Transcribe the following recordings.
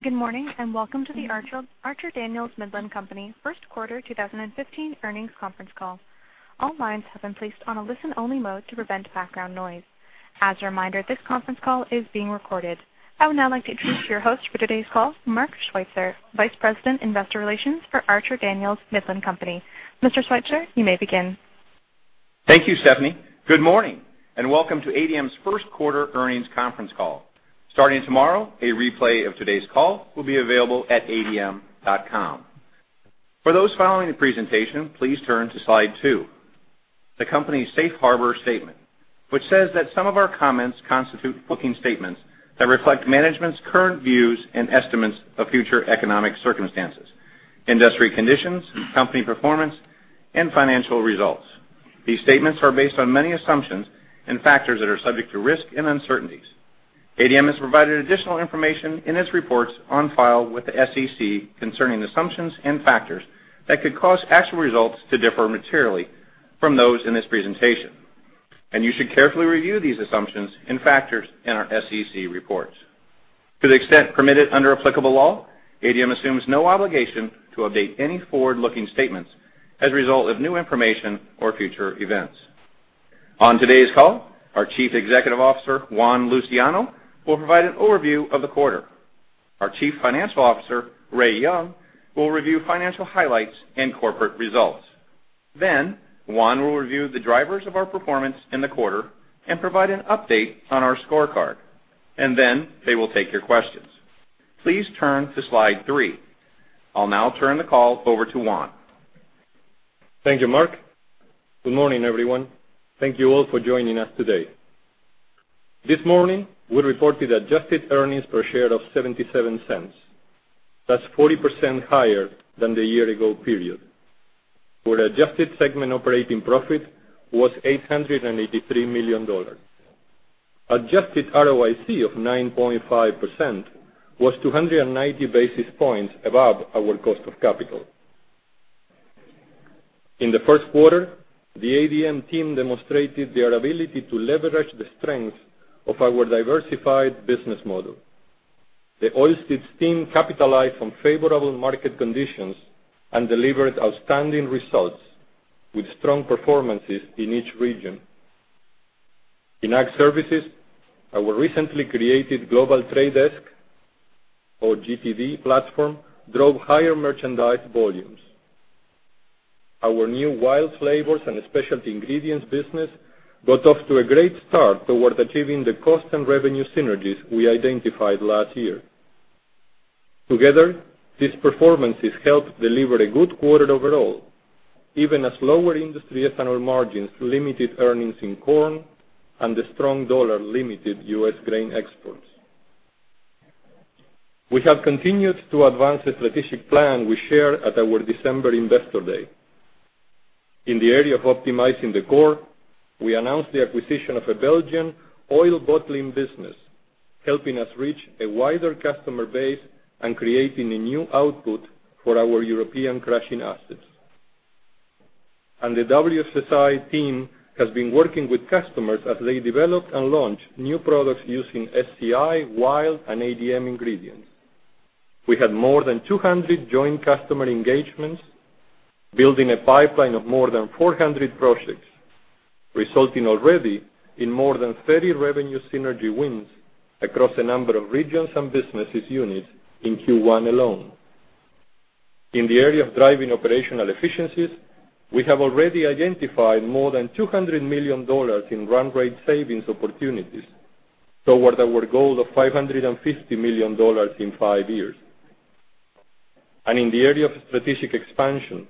Good morning, welcome to the Archer Daniels Midland Company first quarter 2015 earnings conference call. All lines have been placed on a listen-only mode to prevent background noise. As a reminder, this conference call is being recorded. I would now like to introduce your host for today's call, Mark Schweitzer, Vice President, Investor Relations for Archer Daniels Midland Company. Mr. Schweitzer, you may begin. Thank you, Stephanie. Good morning, welcome to ADM's first quarter earnings conference call. Starting tomorrow, a replay of today's call will be available at adm.com. For those following the presentation, please turn to Slide 2, the company's safe harbor statement, which says that some of our comments constitute looking statements that reflect management's current views and estimates of future economic circumstances, industry conditions, company performance, and financial results. These statements are based on many assumptions and factors that are subject to risk and uncertainties. ADM has provided additional information in its reports on file with the SEC concerning assumptions and factors that could cause actual results to differ materially from those in this presentation. You should carefully review these assumptions and factors in our SEC reports. To the extent permitted under applicable law, ADM assumes no obligation to update any forward-looking statements as a result of new information or future events. On today's call, our Chief Executive Officer, Juan Luciano, will provide an overview of the quarter. Our Chief Financial Officer, Ray Young, will review financial highlights and corporate results. Juan will review the drivers of our performance in the quarter and provide an update on our scorecard. They will take your questions. Please turn to Slide 3. I'll now turn the call over to Juan. Thank you, Mark. Good morning, everyone. Thank you all for joining us today. This morning, we reported adjusted earnings per share of $0.77. That's 40% higher than the year ago period, where adjusted segment operating profit was $883 million. Adjusted ROIC of 9.5% was 290 basis points above our cost of capital. In the first quarter, the ADM team demonstrated their ability to leverage the strength of our diversified business model. The oilseeds team capitalized on favorable market conditions and delivered outstanding results with strong performances in each region. In Ag Services, our recently created Global Trade Desk, or GTD platform, drove higher merchandise volumes. Our new WILD Flavors and Specialty Ingredients business got off to a great start towards achieving the cost and revenue synergies we identified last year. Together, these performances helped deliver a good quarter overall, even as lower industry ethanol margins limited earnings in corn and the strong dollar limited U.S. grain exports. We have continued to advance the strategic plan we shared at our December Investor Day. In the area of optimizing the core, we announced the acquisition of a Belgian oil bottling business, helping us reach a wider customer base and creating a new output for our European crushing assets. The WFSI team has been working with customers as they develop and launch new products using SCI, WILD, and ADM ingredients. We had more than 200 joint customer engagements, building a pipeline of more than 400 projects, resulting already in more than 30 revenue synergy wins across a number of regions and businesses units in Q1 alone. In the area of driving operational efficiencies, we have already identified more than $200 million in run rate savings opportunities towards our goal of $550 million in five years. In the area of strategic expansion,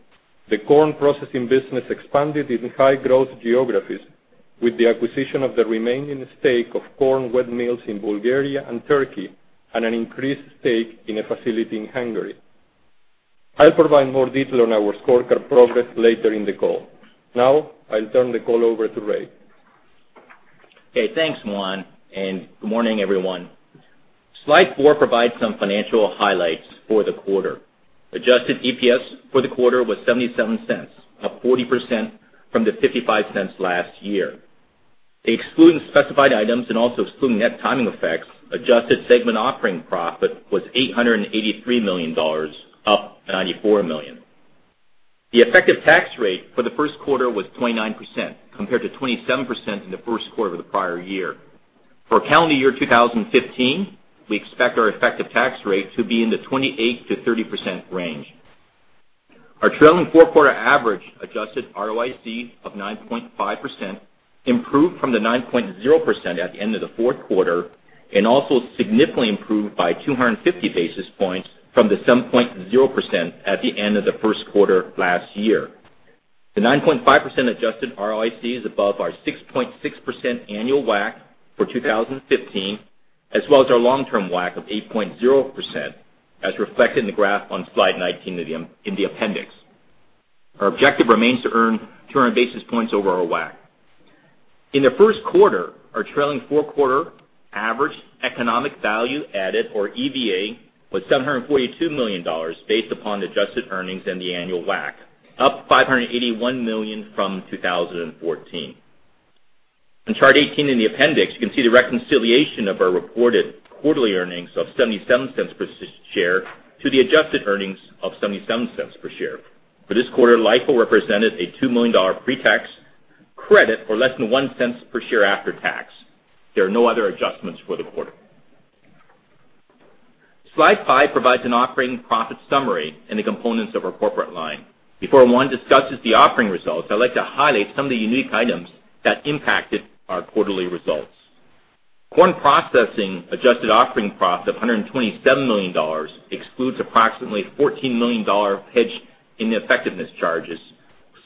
the corn processing business expanded in high growth geographies with the acquisition of the remaining stake of corn wet mills in Bulgaria and Turkey and an increased stake in a facility in Hungary. I'll provide more detail on our scorecard progress later in the call. Now, I'll turn the call over to Ray. Okay, thanks, Juan, and good morning, everyone. Slide four provides some financial highlights for the quarter. Adjusted EPS for the quarter was $0.77, up 40% from the $0.55 last year. Excluding specified items and also excluding net timing effects, adjusted segment operating profit was $883 million, up $94 million. The effective tax rate for the first quarter was 29%, compared to 27% in the first quarter of the prior year. For calendar year 2015, we expect our effective tax rate to be in the 28%-30% range. Our trailing four-quarter average adjusted ROIC of 9.5% improved from the 9.0% at the end of the fourth quarter and also significantly improved by 250 basis points from the 7.0% at the end of the first quarter last year. The 9.5% adjusted ROIC is above our 6.6% annual WACC for 2015, as well as our long-term WACC of 8.0%, as reflected in the graph on Slide 19 in the appendix. Our objective remains to earn 200 basis points over our WACC. In the first quarter, our trailing four-quarter average economic value added, or EVA, was $742 million based upon adjusted earnings and the annual WACC, up $581 million from 2014. On chart 18 in the appendix, you can see the reconciliation of our reported quarterly earnings of $0.77 per share to the adjusted earnings of $0.77 per share. For this quarter, LIFO represented a $2 million pre-tax credit or less than $0.01 per share after tax. There are no other adjustments for the quarter. Slide five provides an operating profit summary and the components of our corporate line. Before Juan discusses the operating results, I'd like to highlight some of the unique items that impacted our quarterly results. Corn processing adjusted operating profit of $127 million excludes approximately $14 million hedge ineffectiveness charges,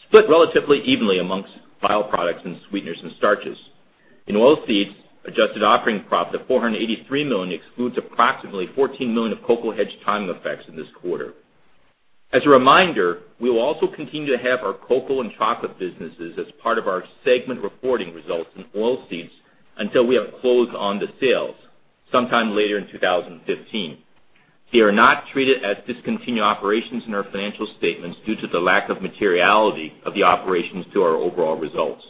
split relatively evenly amongst bio products and sweeteners and starches. In oilseeds, adjusted operating profit of $483 million excludes approximately $14 million of cocoa hedge timing effects in this quarter. As a reminder, we will also continue to have our cocoa and chocolate businesses as part of our segment reporting results in oilseeds until we have closed on the sales, sometime later in 2015. They are not treated as discontinued operations in our financial statements due to the lack of materiality of the operations to our overall results.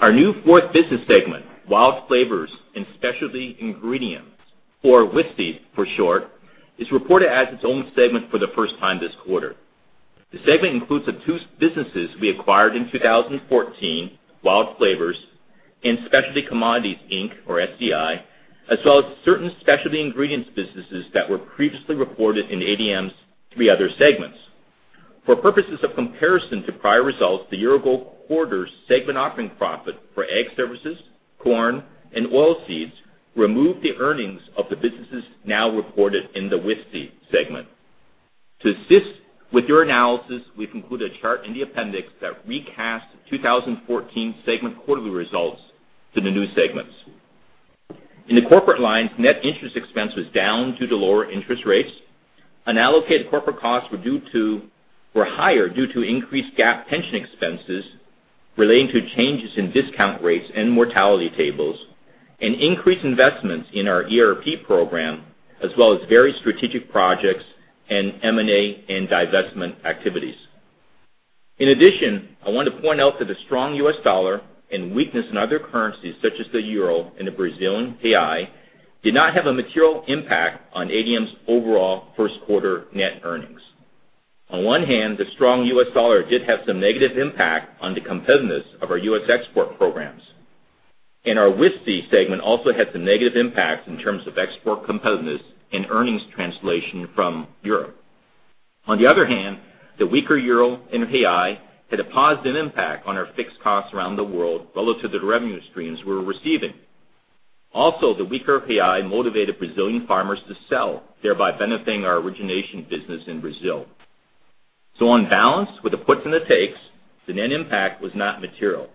Our new fourth business segment, WILD Flavors and Specialty Ingredients, or WFSI for short, is reported as its own segment for the first time this quarter. The segment includes the two businesses we acquired in 2014, WILD Flavors and Specialty Commodities Inc., or SCI, as well as certain specialty ingredients businesses that were previously reported in ADM's three other segments. For purposes of comparison to prior results, the year-ago quarter's segment operating profit for Ag Services, corn, and oilseeds removed the earnings of the businesses now reported in the WFSI segment. To assist with your analysis, we've included a chart in the appendix that recasts 2014 segment quarterly results to the new segments. In the corporate lines, net interest expense was down due to lower interest rates. Unallocated corporate costs were higher due to increased GAAP pension expenses relating to changes in discount rates and mortality tables, and increased investments in our ERP program, as well as various strategic projects and M&A and divestment activities. In addition, I want to point out that the strong U.S. dollar and weakness in other currencies, such as the EUR and the Brazilian real, did not have a material impact on ADM's overall first quarter net earnings. On one hand, the strong U.S. dollar did have some negative impact on the competitiveness of our U.S. export programs, and our WFSI segment also had some negative impacts in terms of export competitiveness and earnings translation from Europe. On the other hand, the weaker EUR and Brazilian real had a positive impact on our fixed costs around the world relative to the revenue streams we were receiving. Also, the weaker Brazilian real motivated Brazilian farmers to sell, thereby benefiting our origination business in Brazil. On balance, with the puts and the takes, the net impact was not material.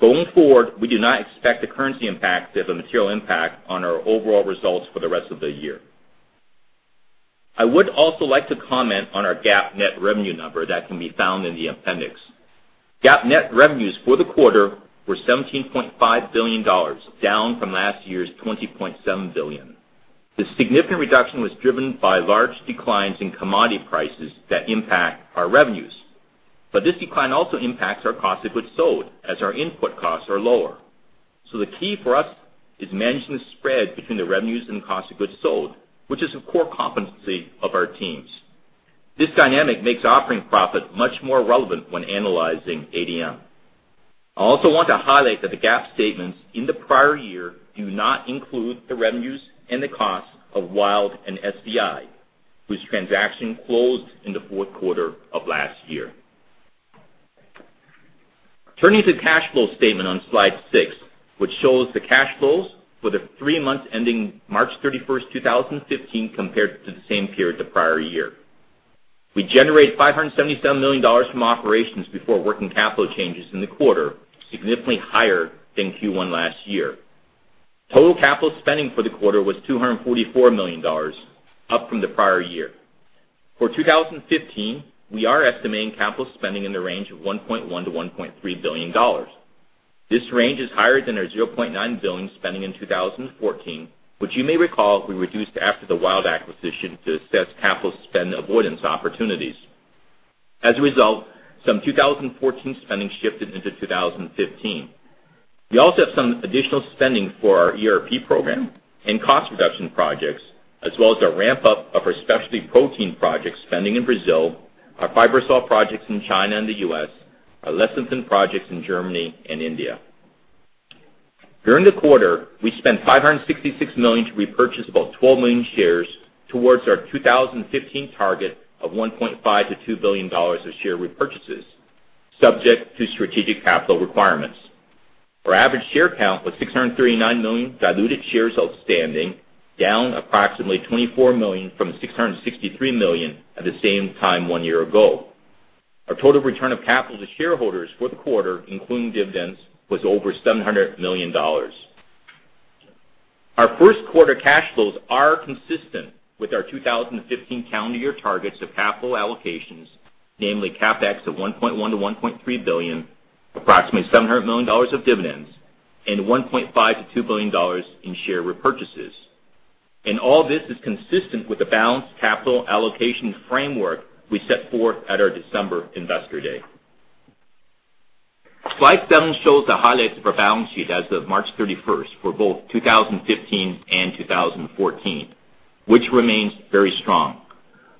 Going forward, we do not expect the currency impacts to have a material impact on our overall results for the rest of the year. I would also like to comment on our GAAP net revenue number that can be found in the appendix. GAAP net revenues for the quarter were $17.5 billion, down from last year's $20.7 billion. This significant reduction was driven by large declines in commodity prices that impact our revenues. This decline also impacts our cost of goods sold, as our input costs are lower. The key for us is managing the spread between the revenues and cost of goods sold, which is a core competency of our teams. This dynamic makes operating profit much more relevant when analyzing ADM. I also want to highlight that the GAAP statements in the prior year do not include the revenues and the costs of WILD and SCI, whose transaction closed in the fourth quarter of last year. Turning to the cash flow statement on slide six, which shows the cash flows for the three months ending March 31st, 2015, compared to the same period the prior year. We generated $577 million from operations before working capital changes in the quarter, significantly higher than Q1 last year. Total capital spending for the quarter was $244 million, up from the prior year. For 2015, we are estimating capital spending in the range of $1.1 billion-$1.3 billion. This range is higher than our $0.9 billion spending in 2014, which you may recall we reduced after the WILD acquisition to assess capital spend avoidance opportunities. As a result, some 2014 spending shifted into 2015. We also have some additional spending for our ERP program and cost reduction projects, as well as our ramp-up of our specialty protein project spending in Brazil, our Fibersol projects in China and the U.S., our lecithin projects in Germany and India. During the quarter, we spent $566 million to repurchase about 12 million shares towards our 2015 target of $1.5 billion-$2 billion of share repurchases, subject to strategic capital requirements. Our average share count was 639 million diluted shares outstanding, down approximately 24 million from 663 million at the same time one year ago. Our total return of capital to shareholders fourth quarter, including dividends, was over $700 million. Our first quarter cash flows are consistent with our 2015 calendar year targets of capital allocations, namely CapEx of $1.1 billion-$1.3 billion, approximately $700 million of dividends, and $1.5 billion-$2 billion in share repurchases. All this is consistent with the balanced capital allocation framework we set forth at our December investor day. Slide seven shows the highlights of our balance sheet as of March 31st for both 2015 and 2014, which remains very strong.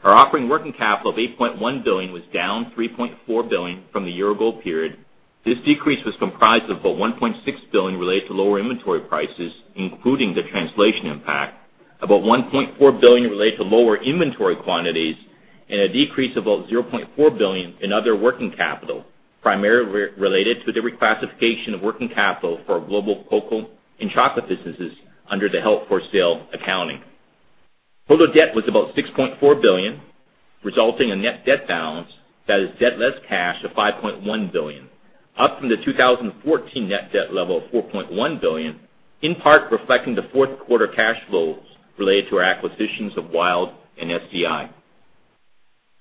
Our operating working capital of $8.1 billion was down $3.4 billion from the year-ago period. This decrease was comprised of about $1.6 billion related to lower inventory prices, including the translation impact, about $1.4 billion related to lower inventory quantities, and a decrease of about $0.4 billion in other working capital, primarily related to the reclassification of working capital for our global cocoa and chocolate businesses under the held-for-sale accounting. Total debt was about $6.4 billion, resulting in net debt balance that is debt less cash of $5.1 billion, up from the 2014 net debt level of $4.1 billion, in part reflecting the fourth quarter cash flows related to our acquisitions of WILD and SCI.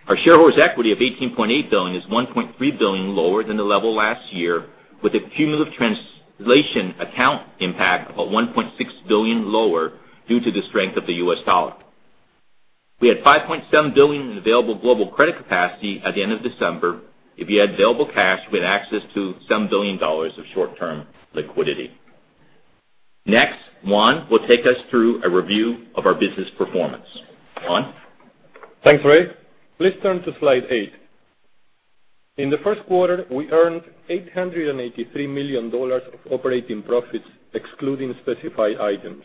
Our shareholders' equity of $18.8 billion is $1.3 billion lower than the level last year, with a cumulative translation account impact about $1.6 billion lower due to the strength of the U.S. dollar. We had $5.7 billion in available global credit capacity at the end of December. If you add available cash, we had access to some billion dollars of short-term liquidity. Next, Juan will take us through a review of our business performance. Juan? Thanks, Ray. Please turn to slide eight. In the first quarter, we earned $883 million of operating profits excluding specified items.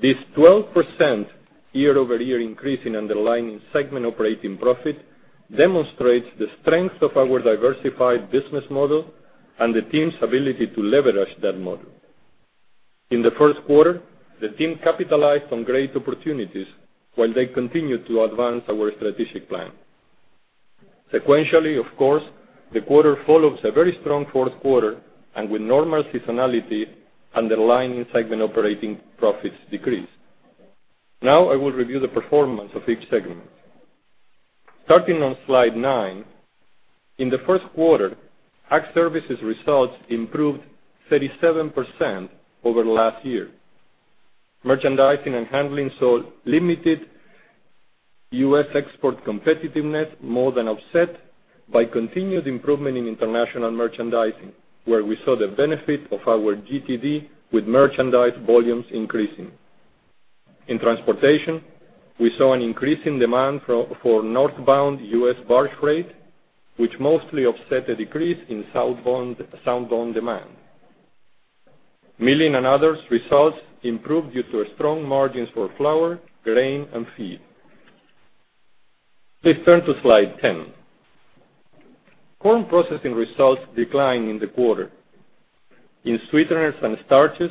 This 12% year-over-year increase in underlying segment operating profit demonstrates the strength of our diversified business model and the team's ability to leverage that model. In the first quarter, the team capitalized on great opportunities while they continued to advance our strategic plan. Sequentially, of course, the quarter follows a very strong fourth quarter, and with normal seasonality, underlying segment operating profits decreased. I will review the performance of each segment. Starting on slide nine. In the first quarter, Ag Services results improved 37% over last year. Merchandising and handling saw limited U.S. export competitiveness more than offset by continued improvement in international merchandising, where we saw the benefit of our GTD with merchandise volumes increasing. In transportation, we saw an increase in demand for northbound U.S. barge rate, which mostly offset a decrease in southbound demand. Milling and others results improved due to strong margins for flour, grain, and feed. Please turn to slide 10. Corn processing results declined in the quarter. In sweeteners and starches,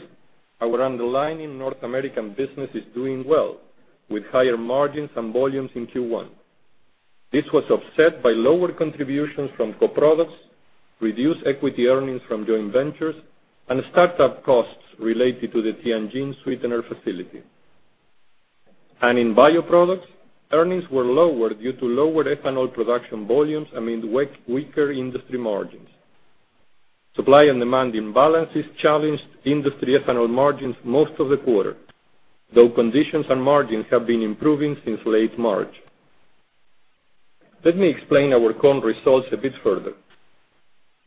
our underlying North American business is doing well, with higher margins and volumes in Q1. This was offset by lower contributions from co-products, reduced equity earnings from joint ventures, and start-up costs related to the Tianjin sweetener facility. In bioproducts, earnings were lower due to lower ethanol production volumes amid weaker industry margins. Supply and demand imbalances challenged industry ethanol margins most of the quarter, though conditions and margins have been improving since late March. Let me explain our corn results a bit further.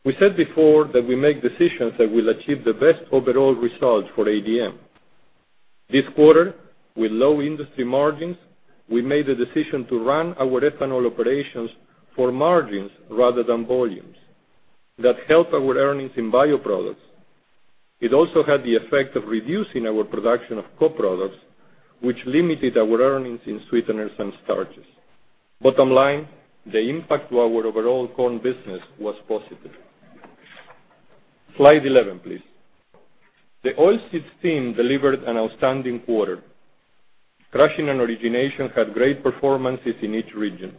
We said before that we make decisions that will achieve the best overall results for ADM. This quarter, with low industry margins, we made the decision to run our ethanol operations for margins rather than volumes. That helped our earnings in bioproducts. It also had the effect of reducing our production of co-products, which limited our earnings in sweeteners and starches. Bottom line, the impact to our overall corn business was positive. Slide 11, please. The Oilseeds team delivered an outstanding quarter. Crushing and origination had great performances in each region.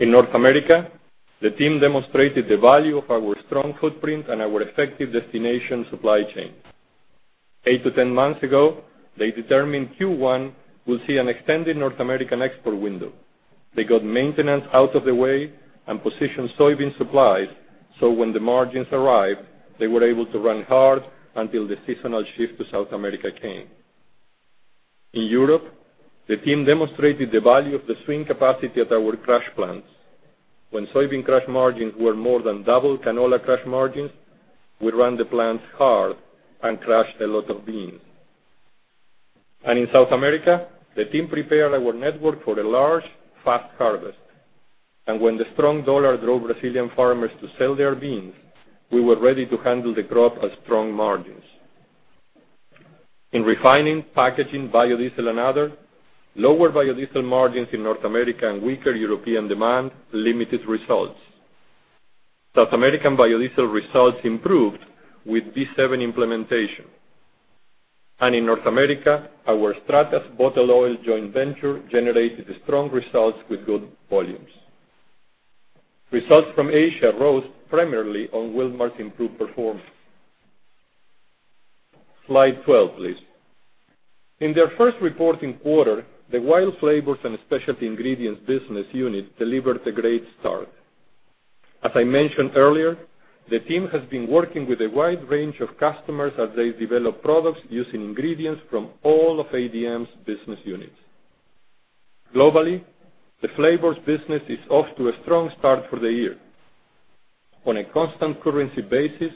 In North America, the team demonstrated the value of our strong footprint and our effective destination supply chains. 8 to 10 months ago, they determined Q1 would see an extended North American export window. They got maintenance out of the way and positioned soybean supplies, so when the margins arrived, they were able to run hard until the seasonal shift to South America came. In Europe, the team demonstrated the value of the swing capacity at our crush plants. When soybean crush margins were more than double canola crush margins, we ran the plants hard and crushed a lot of beans. In South America, the team prepared our network for a large, fast harvest. When the strong dollar drove Brazilian farmers to sell their beans, we were ready to handle the crop at strong margins. In refining, packaging, biodiesel, and other, lower biodiesel margins in North America and weaker European demand limited results. South American biodiesel results improved with B7 implementation. In North America, our Stratas bottle oil joint venture generated strong results with good volumes. Results from Asia rose primarily on Wilmar's improved performance. Slide 12, please. In their first reporting quarter, the WILD Flavors and Specialty Ingredients business unit delivered a great start. As I mentioned earlier, the team has been working with a wide range of customers as they develop products using ingredients from all of ADM's business units. Globally, the flavors business is off to a strong start for the year. On a constant currency basis,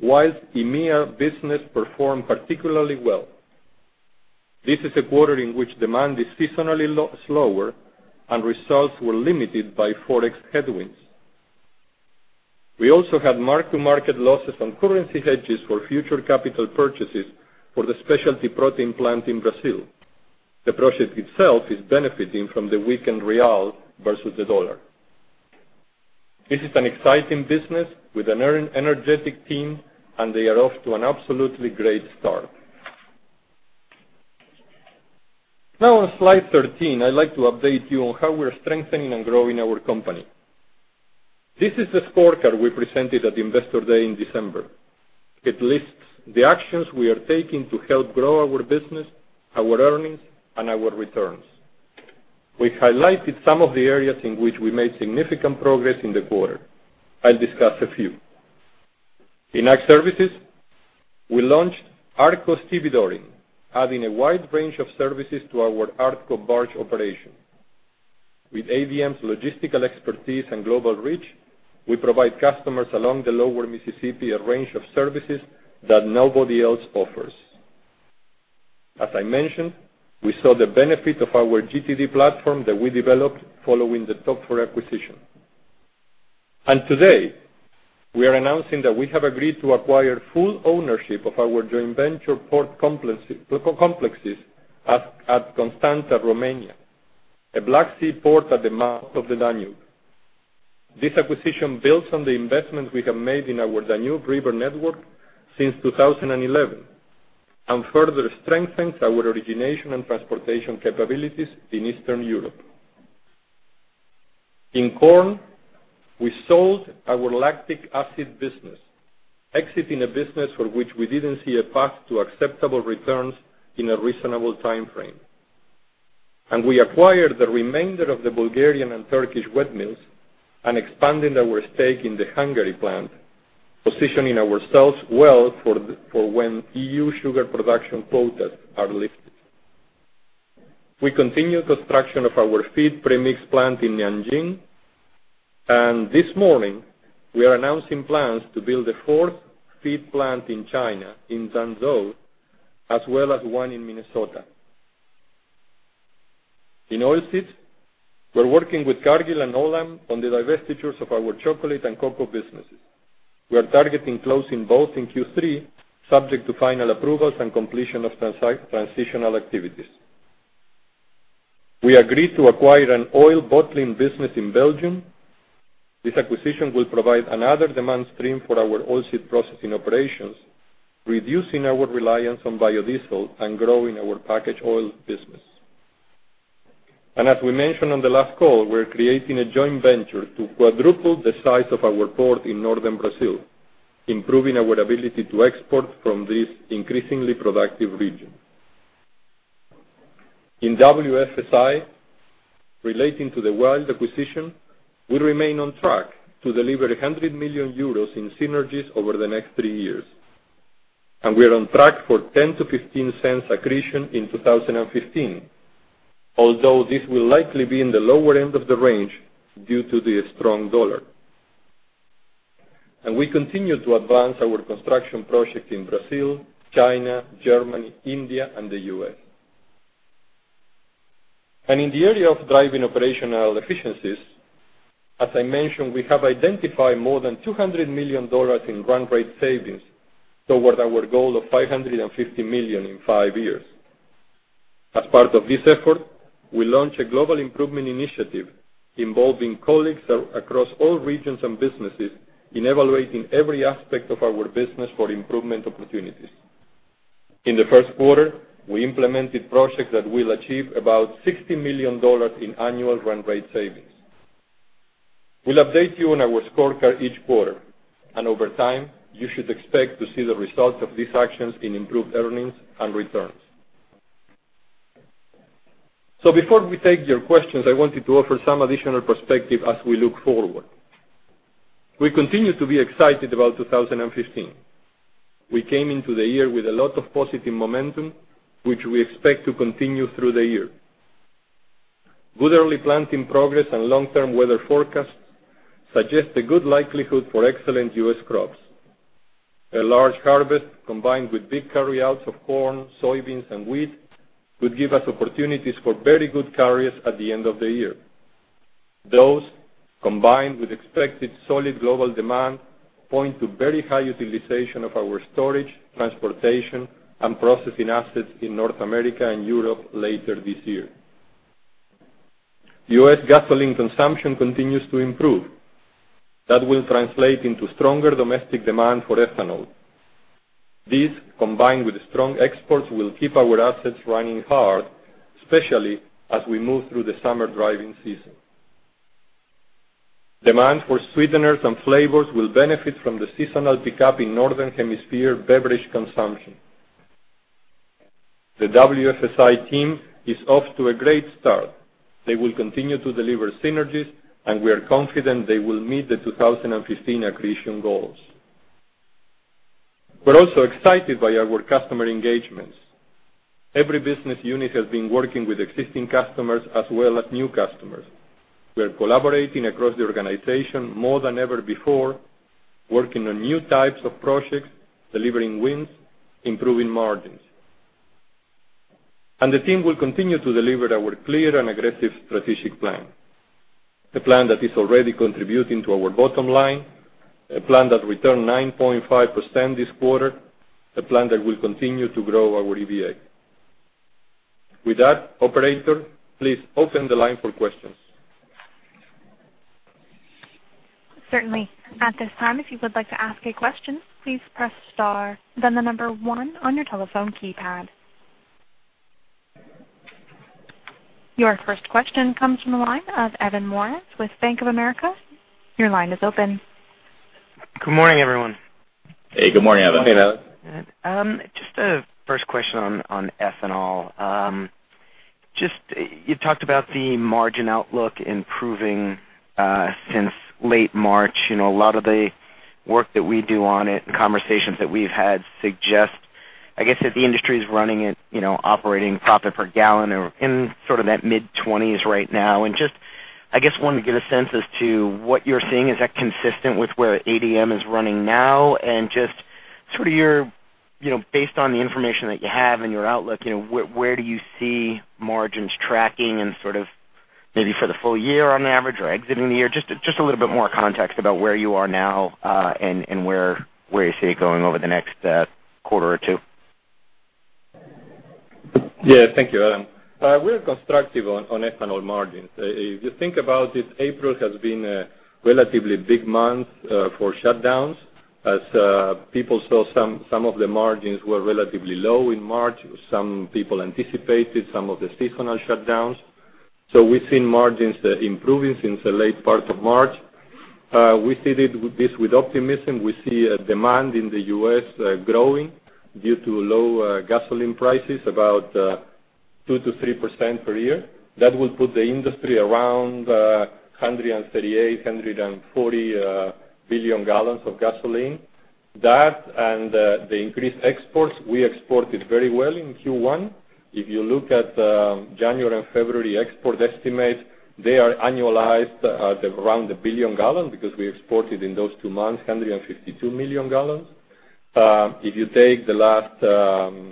WILD EMEA business performed particularly well. This is a quarter in which demand is seasonally slower and results were limited by Forex headwinds. We also had mark-to-market losses on currency hedges for future capital purchases for the specialty protein plant in Brazil. The project itself is benefiting from the weakened real versus the U.S. dollar. This is an exciting business with an energetic team, they are off to an absolutely great start. Now on slide 13, I'd like to update you on how we're strengthening and growing our company. This is the scorecard we presented at the Investor Day in December. It lists the actions we are taking to help grow our business, our earnings, and our returns. We highlighted some of the areas in which we made significant progress in the quarter. I'll discuss a few. In Ag Services, we launched ARTCO Stevedoring, adding a wide range of services to our ARTCO barge operation. With ADM's logistical expertise and global reach, we provide customers along the Lower Mississippi a range of services that nobody else offers. As I mentioned, we saw the benefit of our GTD platform that we developed following the Toepfer acquisition. Today, we are announcing that we have agreed to acquire full ownership of our joint venture port complexes at Constanta, Romania, a Black Sea port at the mouth of the Danube. This acquisition builds on the investment we have made in our Danube River network since 2011 and further strengthens our origination and transportation capabilities in Eastern Europe. In Corn, we sold our lactic acid business, exiting a business for which we didn't see a path to acceptable returns in a reasonable timeframe. We acquired the remainder of the Bulgarian and Turkish wet mills and expanded our stake in the Hungary plant, positioning ourselves well for when EU sugar production quotas are lifted. We continue construction of our feed premix plant in Nanjing. This morning, we are announcing plans to build a fourth feed plant in China, in Lanzhou, as well as one in Minnesota. In Oilseeds, we're working with Cargill and Olam on the divestitures of our chocolate and cocoa businesses. We are targeting closing both in Q3, subject to final approvals and completion of transitional activities. We agreed to acquire an oil bottling business in Belgium. This acquisition will provide another demand stream for our oilseed processing operations, reducing our reliance on biodiesel and growing our packaged oil business. As we mentioned on the last call, we're creating a joint venture to quadruple the size of our port in Northern Brazil, improving our ability to export from this increasingly productive region. In WFSI, relating to the WILD acquisition, we remain on track to deliver 100 million euros in synergies over the next three years. We are on track for $0.10-$0.15 accretion in 2015, although this will likely be in the lower end of the range due to the strong dollar. We continue to advance our construction project in Brazil, China, Germany, India, and the U.S. In the area of driving operational efficiencies, as I mentioned, we have identified more than $200 million in run rate savings towards our goal of $550 million in five years. As part of this effort, we launched a global improvement initiative involving colleagues across all regions and businesses in evaluating every aspect of our business for improvement opportunities. In the first quarter, we implemented projects that will achieve about $60 million in annual run rate savings. We'll update you on our scorecard each quarter. Over time, you should expect to see the results of these actions in improved earnings and returns. Before we take your questions, I wanted to offer some additional perspective as we look forward. We continue to be excited about 2015. We came into the year with a lot of positive momentum, which we expect to continue through the year. Good early planting progress and long-term weather forecasts suggest a good likelihood for excellent U.S. crops. A large harvest, combined with big carryouts of corn, soybeans, and wheat, could give us opportunities for very good carryovers at the end of the year. Those, combined with expected solid global demand, point to very high utilization of our storage, transportation, and processing assets in North America and Europe later this year. U.S. gasoline consumption continues to improve. That will translate into stronger domestic demand for ethanol. This, combined with strong exports, will keep our assets running hard, especially as we move through the summer driving season. Demand for sweeteners and flavors will benefit from the seasonal pickup in Northern Hemisphere beverage consumption. The WFSI team is off to a great start. They will continue to deliver synergies. We are confident they will meet the 2015 accretion goals. We're also excited by our customer engagements. Every business unit has been working with existing customers as well as new customers. We are collaborating across the organization more than ever before, working on new types of projects, delivering wins, improving margins. The team will continue to deliver our clear and aggressive strategic plan. The plan that is already contributing to our bottom line, a plan that returned 9.5% this quarter, a plan that will continue to grow our EVA. With that, operator, please open the line for questions. Certainly. At this time, if you would like to ask a question, please press star, then the number one on your telephone keypad. Your first question comes from the line of Evan Morris with Bank of America. Your line is open. Good morning, everyone. Hey, good morning, Evan. Just a first question on ethanol. You talked about the margin outlook improving, since late March. A lot of the work that we do on it, the conversations that we've had suggest, I guess, that the industry's running at operating profit per gallon or in sort of that mid-20s right now. Just, I guess, wanted to get a sense as to what you're seeing. Is that consistent with where ADM is running now? Just based on the information that you have and your outlook, where do you see margins tracking and sort of maybe for the full year on average or exiting the year? Just a little bit more context about where you are now, and where you see it going over the next quarter or two. Yeah, thank you, Evan. We're constructive on ethanol margins. If you think about it, April has been a relatively big month for shutdowns as people saw some of the margins were relatively low in March. Some people anticipated some of the seasonal shutdowns. We've seen margins improving since the late part of March. We see this with optimism. We see demand in the U.S. growing due to low gasoline prices about 2%-3% per year. That will put the industry around 138 billion-140 billion gallons of gasoline. That and the increased exports, we exported very well in Q1. If you look at the January and February export estimate, they are annualized at around 1 billion gallons because we exported in those two months, 152 million gallons. If you take the last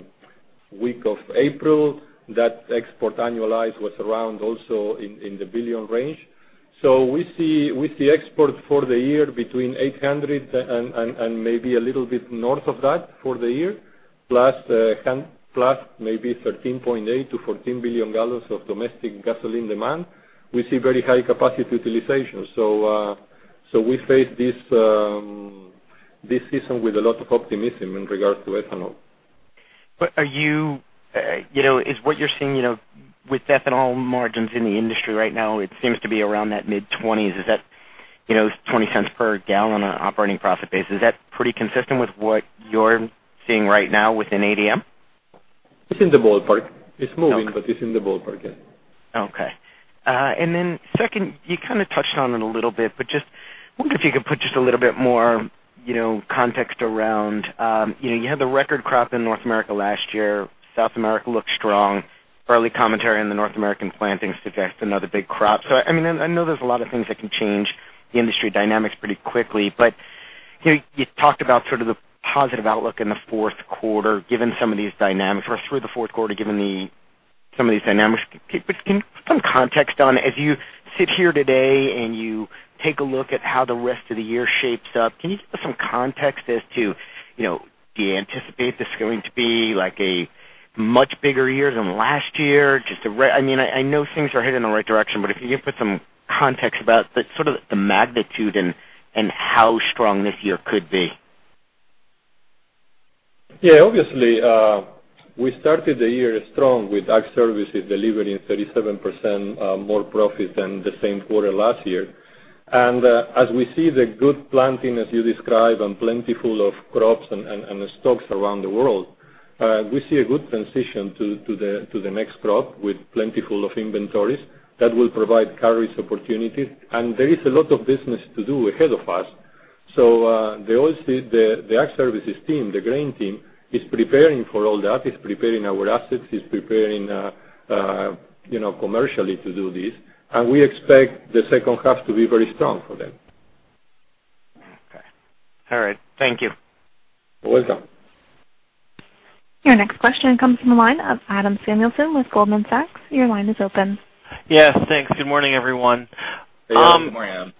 week of April, that export annualized was also around the 1 billion range. We see exports for the year between 800 and maybe a little bit north of that for the year, plus maybe 13.8 billion-14 billion gallons of domestic gasoline demand. We see very high capacity utilization. We face this season with a lot of optimism in regards to ethanol. Is what you're seeing with ethanol margins in the industry right now, it seems to be around that mid-20s. Is that $0.20 per gallon on an operating profit basis? Is that pretty consistent with what you're seeing right now within ADM? It's in the ballpark. It's moving, but it's in the ballpark, yes. Okay. Second, you kind of touched on it a little bit, but just wonder if you could put just a little bit more context around, you had the record crop in North America last year. South America looks strong. Early commentary on the North American planting suggests another big crop. I know there's a lot of things that can change the industry dynamics pretty quickly. You talked about sort of the positive outlook in the fourth quarter given some of these dynamics, or through the fourth quarter, given some of these dynamics. Can you put some context on, as you sit here today and you take a look at how the rest of the year shapes up, can you give us some context as to, do you anticipate this going to be like a much bigger year than last year? I know things are headed in the right direction, but if you can put some context about the sort of the magnitude and how strong this year could be. Yeah, obviously, we started the year strong with Ag Services delivering 37% more profit than the same quarter last year. As we see the good planting, as you described, and plentiful of crops and the stocks around the world, we see a good transition to the next crop with plentiful of inventories that will provide carriers opportunities. There is a lot of business to do ahead of us. The Ag Services team, the grain team, is preparing for all that, is preparing our assets, is preparing commercially to do this. We expect the second half to be very strong for them. Okay. All right. Thank you. You're welcome. Your next question comes from the line of Adam Samuelson with Goldman Sachs. Your line is open. Yes, thanks. Good morning, everyone. Hey, good morning,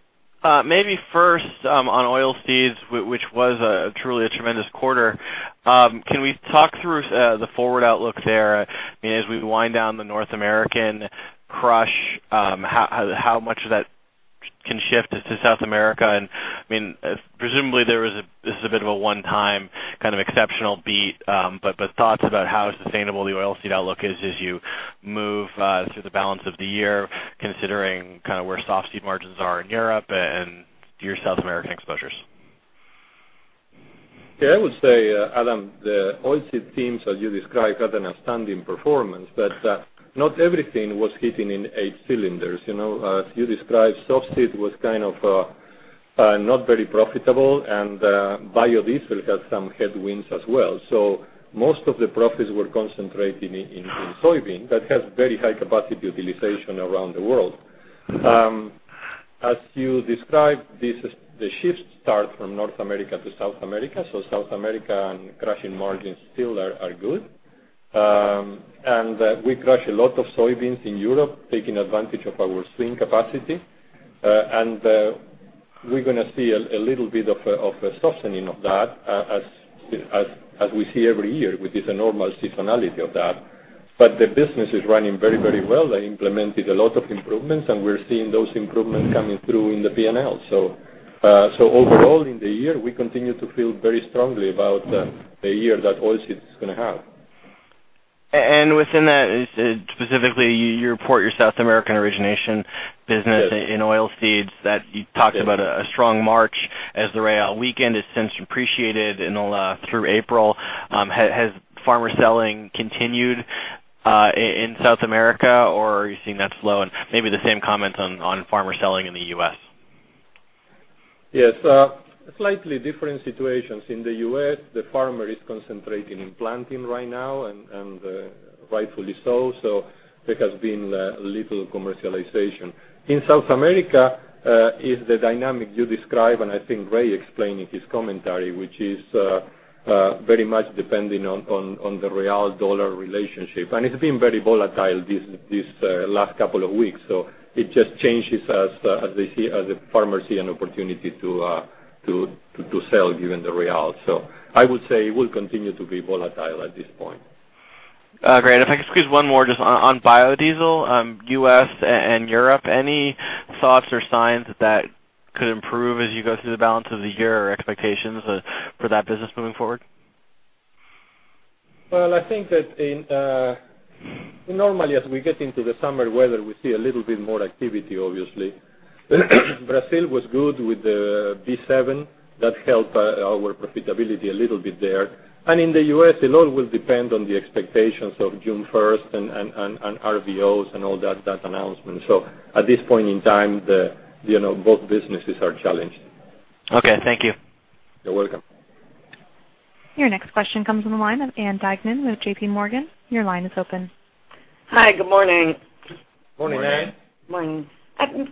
Adam. Maybe first, on oilseeds, which was truly a tremendous quarter. Can we talk through the forward outlook there? As we wind down the North American crush, how much of that can shift to South America? Presumably, this is a bit of a one-time kind of exceptional beat, but thoughts about how sustainable the oil seed outlook is as you move through the balance of the year, considering where soft seed margins are in Europe and your South American exposures. Yeah, I would say, Adam, the oil seed teams, as you described, had an outstanding performance, but not everything was hitting in eight cylinders. As you described, soft seed was not very profitable, biodiesel had some headwinds as well. Most of the profits were concentrated in soybean. That has very high capacity utilization around the world. As you described, the shift start from North America to South America. South America and crushing margins still are good. We crush a lot of soybeans in Europe, taking advantage of our swing capacity. We're going to see a little bit of a softening of that as we see every year, which is a normal seasonality of that. The business is running very well. They implemented a lot of improvements, we're seeing those improvements coming through in the P&L. Overall, in the year, we continue to feel very strongly about the year that oil seed is going to have. Within that, specifically, you report your South American origination business- Yes in oilseeds that you talked about a strong March as the real weakened. It since appreciated through April. Has farmer selling continued in South America, or are you seeing that slowing? Maybe the same comments on farmer selling in the U.S. Yes. Slightly different situations. In the U.S., the farmer is concentrating in planting right now, and rightfully so. There has been little commercialization. In South America, is the dynamic you described, and I think Ray explained in his commentary, which is very much depending on the real dollar relationship. It's been very volatile these last couple of weeks. It just changes as the farmers see an opportunity to sell, given the real. I would say it will continue to be volatile at this point. Great. If I could squeeze one more just on biodiesel, U.S. and Europe. Any thoughts or signs that could improve as you go through the balance of the year or expectations for that business moving forward? Well, I think that normally as we get into the summer weather, we see a little bit more activity, obviously. Brazil was good with the B7. That helped our profitability a little bit there. In the U.S., it all will depend on the expectations of June 1st and RVOs and all that announcement. At this point in time, both businesses are challenged. Okay, thank you. You're welcome. Your next question comes on the line of Ann Duignan with JPMorgan. Your line is open. Hi, good morning. Morning, Ann. Morning.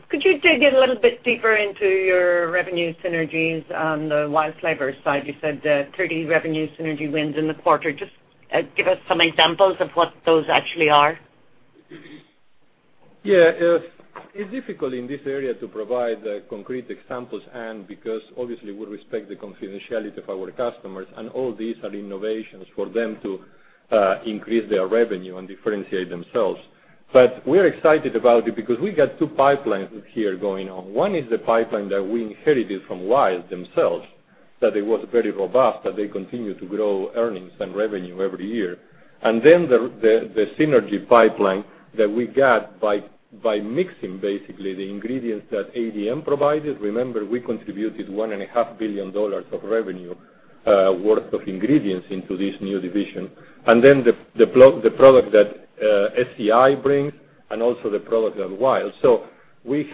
Could you dig a little bit deeper into your revenue synergies on the WILD Flavors side? You said 30 revenue synergy wins in the quarter. Just give us some examples of what those actually are. Yeah. It's difficult in this area to provide concrete examples, Ann, because obviously we respect the confidentiality of our customers, and all these are innovations for them to increase their revenue and differentiate themselves. We're excited about it because we got two pipelines here going on. One is the pipeline that we inherited from WILD themselves, that it was very robust, that they continue to grow earnings and revenue every year. The synergy pipeline that we got by mixing basically the ingredients that ADM provided. Remember, we contributed $1.5 billion of revenue worth of ingredients into this new division. The product that SCI brings and also the product of WILD. We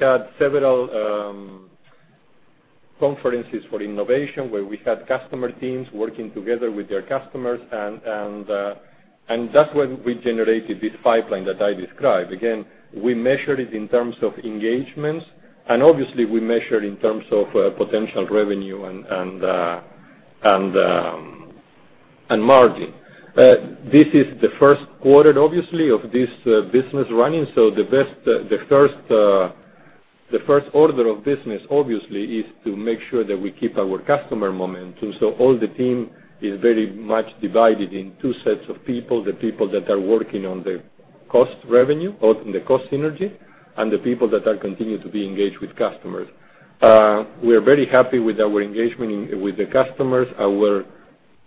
had several conferences for innovation where we had customer teams working together with their customers, and that's when we generated this pipeline that I described. Again, we measured it in terms of engagements, and obviously we measured in terms of potential revenue and margin. This is the first quarter, obviously, of this business running. The first order of business obviously is to make sure that we keep our customer momentum. All the team is very much divided in two sets of people, the people that are working on the cost revenue or the cost synergy, and the people that are continuing to be engaged with customers. We are very happy with our engagement with the customers, our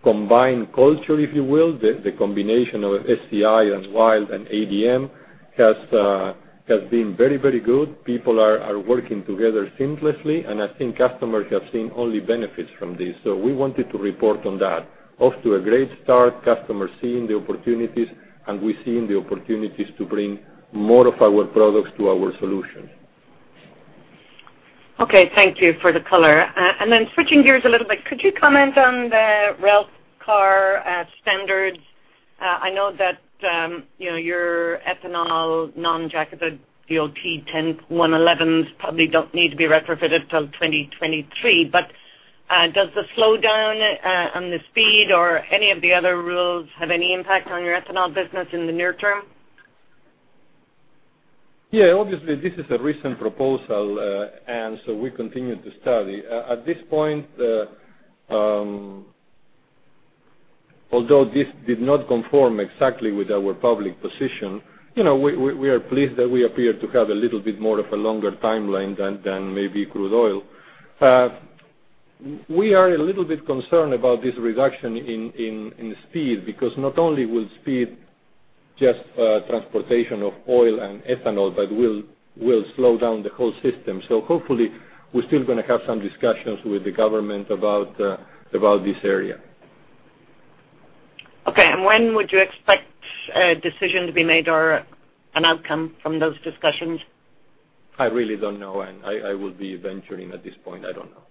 combined culture, if you will, the combination of SCI and WILD and ADM has been very good. People are working together seamlessly, and I think customers have seen only benefits from this. We wanted to report on that. Off to a great start, customers seeing the opportunities, and we're seeing the opportunities to bring more of our products to our solutions. Okay. Thank you for the color. Then switching gears a little bit, could you comment on the rail car standards? I know that your ethanol non-jacketed DOT-111s probably don't need to be retrofitted till 2023, but does the slowdown on the speed or any of the other rules have any impact on your ethanol business in the near term? Yeah. Obviously, this is a recent proposal, Ann, we continue to study. At this point, although this did not conform exactly with our public position, we are pleased that we appear to have a little bit more of a longer timeline than maybe crude oil. We are a little bit concerned about this reduction in speed, because not only will speed just transportation of oil and ethanol, but will slow down the whole system. Hopefully, we're still going to have some discussions with the government about this area. Okay. When would you expect a decision to be made or an outcome from those discussions? I really don't know. I will be venturing at this point, I don't know.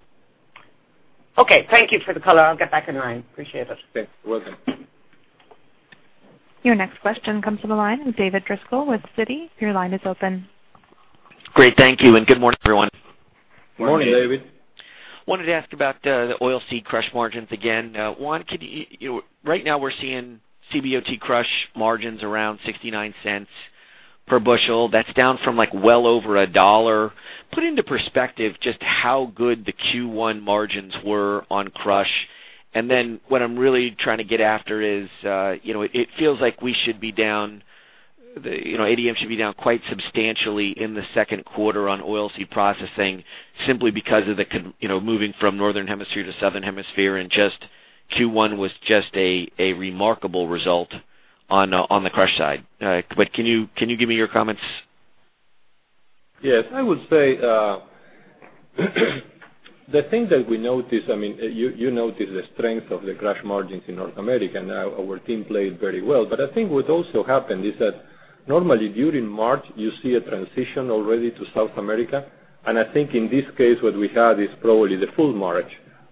Okay. Thank you for the color. I'll get back in line. Appreciate it. Thanks. You're welcome. Your next question comes from the line of David Driscoll with Citi. Your line is open. Great. Thank you. Good morning, everyone. Morning, David. Wanted to ask about the oil seed crush margins again. Juan, right now we're seeing CBOT crush margins around $0.69 per bushel. That's down from well over $1. Put into perspective just how good the Q1 margins were on crush, what I'm really trying to get after is, it feels like ADM should be down quite substantially in the second quarter on oil seed processing, simply because of the moving from Northern Hemisphere to Southern Hemisphere, Q1 was just a remarkable result on the crush side. Can you give me your comments? Yes. I would say, the thing that we noticed, you noticed the strength of the crush margins in North America, our team played very well. I think what also happened is that normally during March, you see a transition already to South America. I think in this case, what we have is probably the full March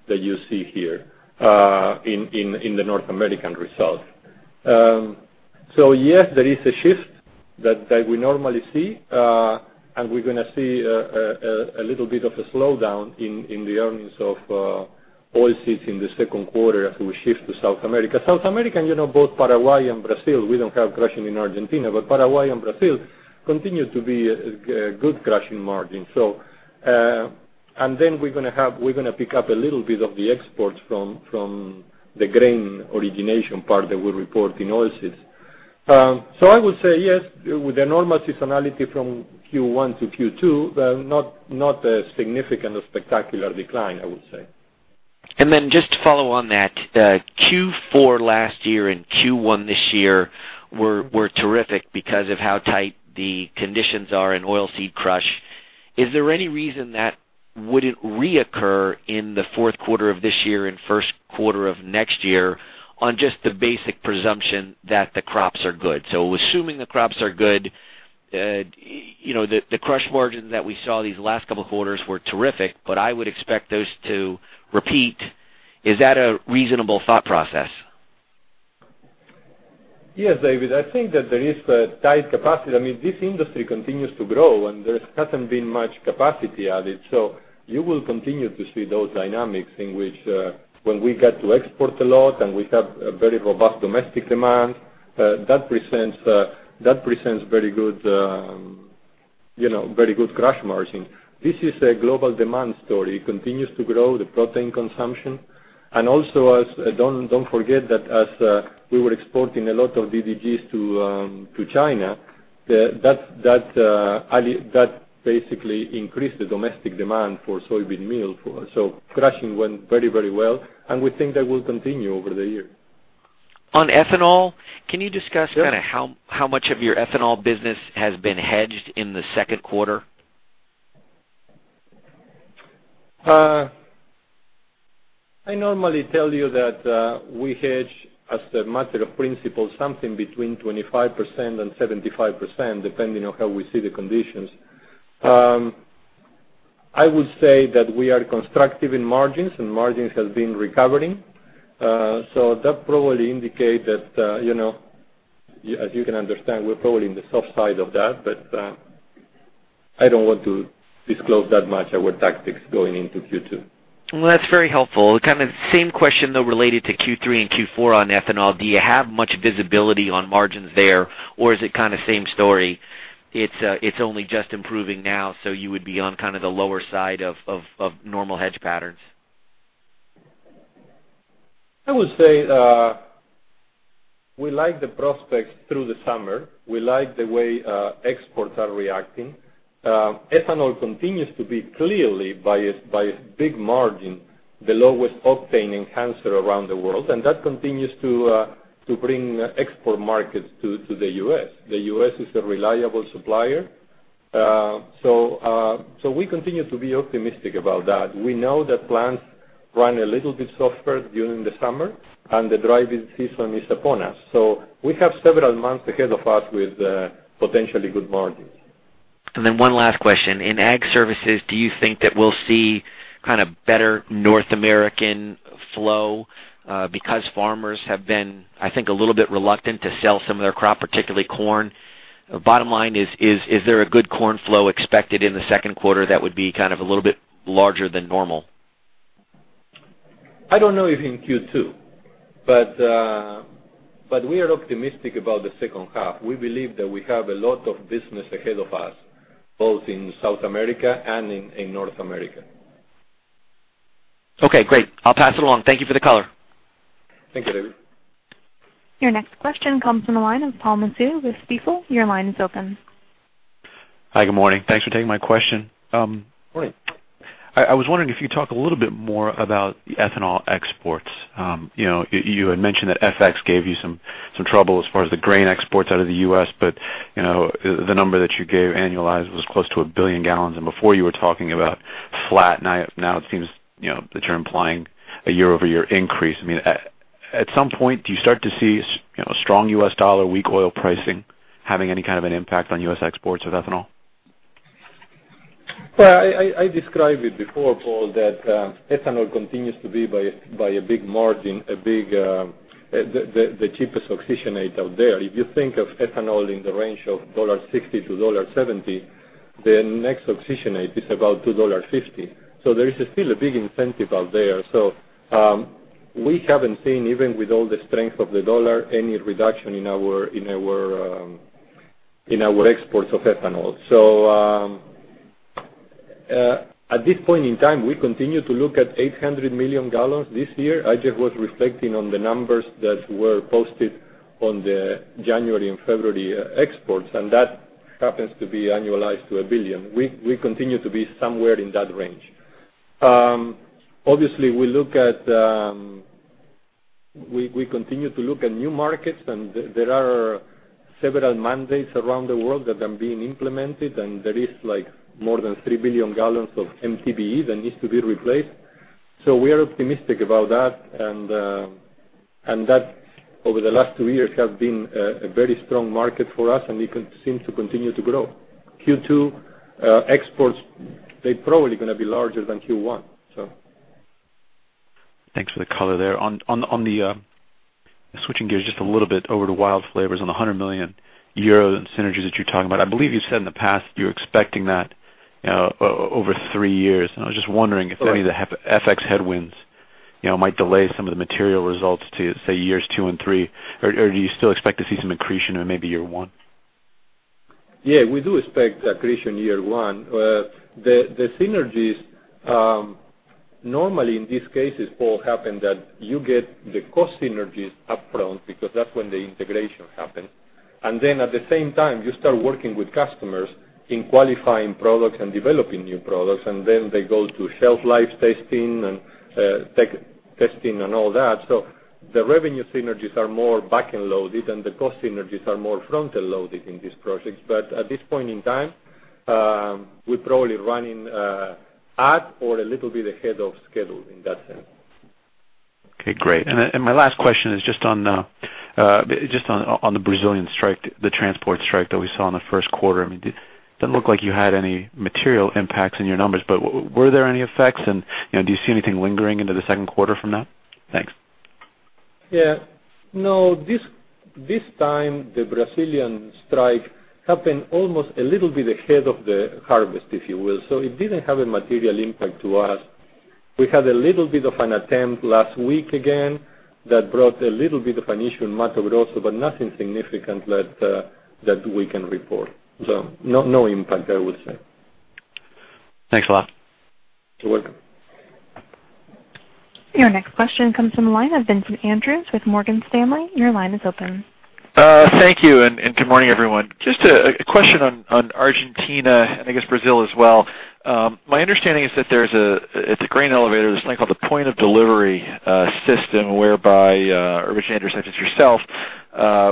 that you see here, in the North American result. Yes, there is a shift that we normally see. We're going to see a little bit of a slowdown in the earnings of oilseeds in the second quarter as we shift to South America. South America, both Paraguay and Brazil, we don't have crushing in Argentina, Paraguay and Brazil continue to be a good crushing margin. We're going to pick up a little bit of the exports from the grain origination part that we report in oilseeds. I would say yes, with the normal seasonality from Q1 to Q2, but not a significant or spectacular decline, I would say. Just to follow on that, Q4 last year and Q1 this year were terrific because of how tight the conditions are in oilseed crush. Is there any reason that wouldn't reoccur in the fourth quarter of this year and first quarter of next year on just the basic presumption that the crops are good? Assuming the crops are good, the crush margins that we saw these last couple of quarters were terrific, but I would expect those to repeat. Is that a reasonable thought process? Yes, David, I think that there is tight capacity. This industry continues to grow, and there hasn't been much capacity added. You will continue to see those dynamics in which, when we get to export a lot and we have a very robust domestic demand, that presents very good crush margin. This is a global demand story. It continues to grow the protein consumption. Also, don't forget that as we were exporting a lot of DDGs to China, that basically increased the domestic demand for soybean meal. Crushing went very well, and we think that will continue over the year. On ethanol, can you discuss? Yeah How much of your ethanol business has been hedged in the 2Q? I normally tell you that, we hedge as a matter of principle, something between 25% and 75%, depending on how we see the conditions. I would say that we are constructive in margins, and margins have been recovering. That probably indicate that, as you can understand, we're probably in the soft side of that. I don't want to disclose that much our tactics going into Q2. Well, that's very helpful. Kind of same question, though, related to Q3 and Q4 on ethanol. Do you have much visibility on margins there, or is it kind of same story? It's only just improving now, you would be on kind of the lower side of normal hedge patterns. I would say, we like the prospects through the summer. We like the way exports are reacting. Ethanol continues to be clearly, by a big margin, the lowest octane enhancer around the world, and that continues to bring export markets to the U.S. The U.S. is a reliable supplier. We continue to be optimistic about that. We know that plants run a little bit softer during the summer, and the driving season is upon us. We have several months ahead of us with potentially good margins. One last question. In Ag Services, do you think that we'll see better North American flow? Because farmers have been, I think, a little bit reluctant to sell some of their crop, particularly corn. Bottom line is there a good corn flow expected in the second quarter that would be a little bit larger than normal? I don't know if in Q2, we are optimistic about the second half. We believe that we have a lot of business ahead of us, both in South America and in North America. Okay, great. I'll pass it along. Thank you for the color. Thank you, David. Your next question comes from the line of Paul Massoud with Stifel. Your line is open. Hi, good morning. Thanks for taking my question. Good morning. I was wondering if you'd talk a little bit more about the ethanol exports. You had mentioned that FX gave you some trouble as far as the grain exports out of the U.S., but the number that you gave annualized was close to 1 billion gallons. Before you were talking about flat, now it seems that you're implying a year-over-year increase. At some point, do you start to see a strong U.S. dollar, weak oil pricing, having any kind of an impact on U.S. exports of ethanol? I described it before, Paul, that ethanol continues to be by a big margin, the cheapest oxygenate out there. If you think of ethanol in the range of $1.60-$1.70, the next oxygenate is about $2.50. There is still a big incentive out there. We haven't seen, even with all the strength of the dollar, any reduction in our exports of ethanol. At this point in time, we continue to look at 800 million gallons this year. I just was reflecting on the numbers that were posted on the January and February exports, and that happens to be annualized to 1 billion. We continue to be somewhere in that range. We continue to look at new markets, and there are several mandates around the world that are being implemented, and there is more than 3 billion gallons of MTBE that needs to be replaced. We are optimistic about that, and that, over the last 2 years, has been a very strong market for us, and it seems to continue to grow. Q2 exports, they're probably going to be larger than Q1. Thanks for the color there. Switching gears just a little bit over to WILD Flavors on the 100 million euro and synergies that you're talking about. I believe you said in the past you're expecting that over 3 years. I was just wondering if any of the FX headwinds might delay some of the material results to, say, years 2 and 3. Do you still expect to see some accretion in maybe year 1? We do expect accretion year 1. The synergies, normally in these cases, Paul, happen that you get the cost synergies upfront because that's when the integration happens. At the same time, you start working with customers in qualifying products and developing new products, and then they go to shelf life testing and tech testing and all that. The revenue synergies are more back-end loaded, and the cost synergies are more frontal loaded in these projects. At this point in time, we're probably running at or a little bit ahead of schedule in that sense. Okay, great. My last question is just on the Brazilian strike, the transport strike that we saw in the first quarter. It didn't look like you had any material impacts in your numbers, but were there any effects, and do you see anything lingering into the second quarter from that? Thanks. Yeah. No, this time, the Brazilian strike happened almost a little bit ahead of the harvest, if you will. It didn't have a material impact to us. We had a little bit of an attempt last week again that brought a little bit of an issue in Mato Grosso, but nothing significant that we can report. No impact, I would say. Thanks a lot. You're welcome. Your next question comes from the line of Vincent Andrews with Morgan Stanley. Your line is open. Thank you. Good morning, everyone. Just a question on Argentina, and I guess Brazil as well. My understanding is that at the grain elevator, there's a thing called the point of delivery system, whereby originators such as yourself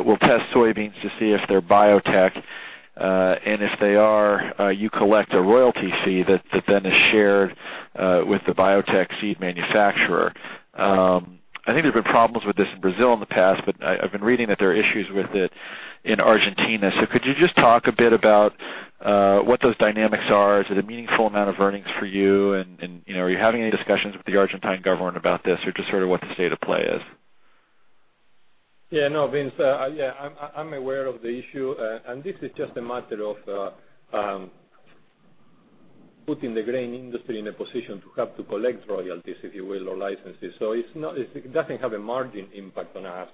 will test soybeans to see if they're biotech. If they are, you collect a royalty fee that then is shared with the biotech seed manufacturer. I think there have been problems with this in Brazil in the past, but I've been reading that there are issues with it in Argentina. Could you just talk a bit about what those dynamics are? Is it a meaningful amount of earnings for you? Are you having any discussions with the Argentine government about this or just sort of what the state of play is? Yeah. No, Vince. I'm aware of the issue. This is just a matter of putting the grain industry in a position to have to collect royalties, if you will, or licenses. It doesn't have a margin impact on us.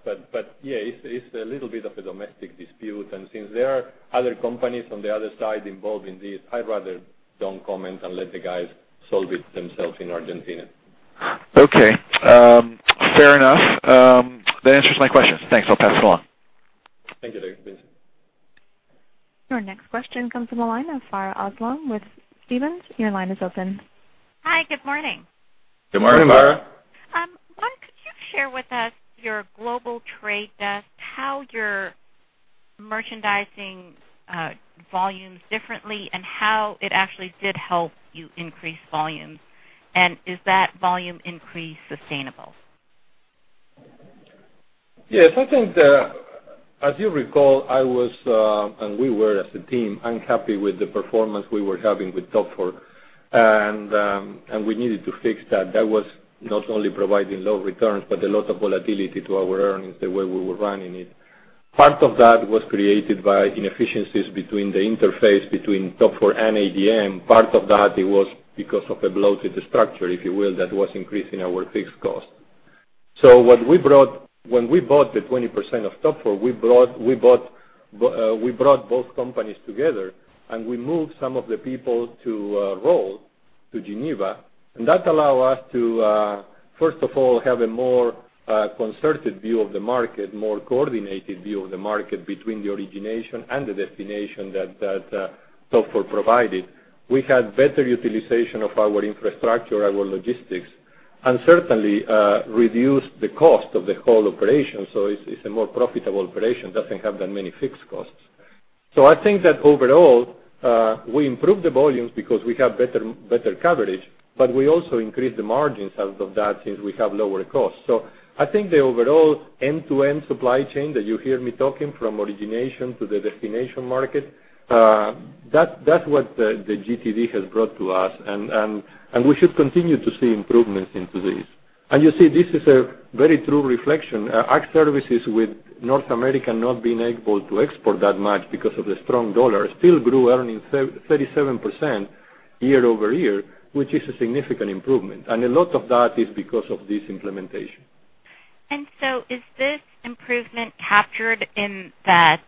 Yeah, it's a little bit of a domestic dispute. Since there are other companies on the other side involved in this, I'd rather don't comment and let the guys solve it themselves in Argentina. Okay. Fair enough. That answers my questions. Thanks. I'll pass it along. Thank you. Your next question comes from the line of Farha Aslam with Stephens. Your line is open. Hi, good morning. Good morning, Farha. Could you share with us your Global Trade Desk, how you're merchandising volumes differently, and how it actually did help you increase volumes? Is that volume increase sustainable? Yes. I think that, as you recall, I was, and we were as a team, unhappy with the performance we were having with Toepfer. We needed to fix that. That was not only providing low returns, but a lot of volatility to our earnings the way we were running it. Part of that was created by inefficiencies between the interface between Toepfer and ADM. Part of that was because of a bloated structure, if you will, that was increasing our fixed cost. When we bought the 20% of Toepfer, we brought both companies together, and we moved some of the people to a role to Geneva. That allow us to, first of all, have a more concerted view of the market, more coordinated view of the market between the origination and the destination that Toepfer provided. We had better utilization of our infrastructure, our logistics, and certainly reduced the cost of the whole operation. It's a more profitable operation, doesn't have that many fixed costs. I think that overall, we improved the volumes because we have better coverage, but we also increased the margins out of that since we have lower costs. I think the overall end-to-end supply chain that you hear me talking from origination to the destination market, that's what the GTD has brought to us, and we should continue to see improvements into this. You see, this is a very true reflection. Our Ag Services with North America not being able to export that much because of the strong dollar, still grew earnings 37% year-over-year, which is a significant improvement. A lot of that is because of this implementation. Is this improvement captured in that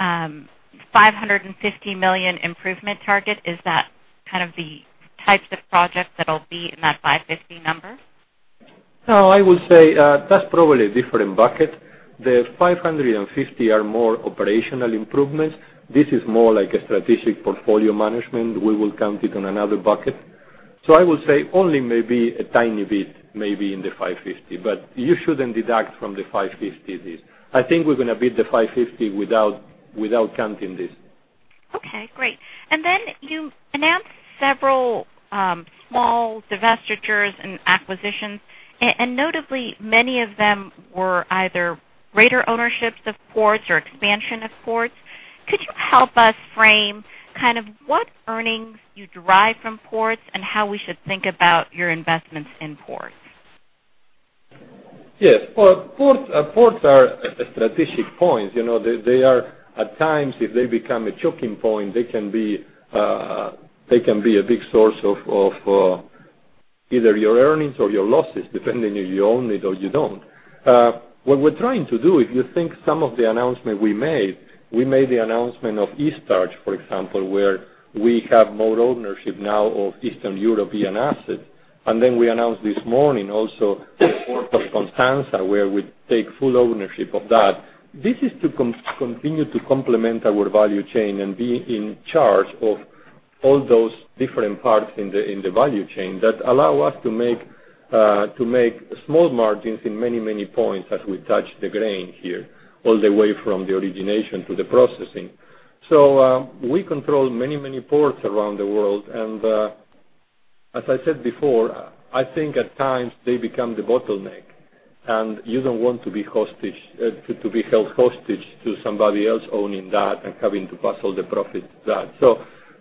$550 million improvement target? Is that kind of the types of projects that'll be in that $550 number? I would say, that's probably a different bucket. The $550 are more operational improvements. This is more like a strategic portfolio management. We will count it on another bucket. I would say only maybe a tiny bit, maybe in the $550. You shouldn't deduct from the $550 this. I think we're going to beat the $550 without counting this. Okay, great. You announced several small divestitures and acquisitions, and notably, many of them were either greater ownerships of ports or expansion of ports. Could you help us frame kind of what earnings you derive from ports and how we should think about your investments in ports? Yes. Ports are strategic points. At times, if they become a choking point, they can be a big source of either your earnings or your losses, depending if you own it or you don't. What we're trying to do, if you think some of the announcement we made, we made the announcement of Eaststarch, for example, where we have more ownership now of Eastern European assets. We announced this morning also the Port of Constanta, where we take full ownership of that. This is to continue to complement our value chain and be in charge of all those different parts in the value chain that allow us to make small margins in many, many points as we touch the grain here, all the way from the origination to the processing. We control many, many ports around the world. As I said before, I think at times they become the bottleneck, and you don't want to be held hostage to somebody else owning that and having to pass all the profits to that.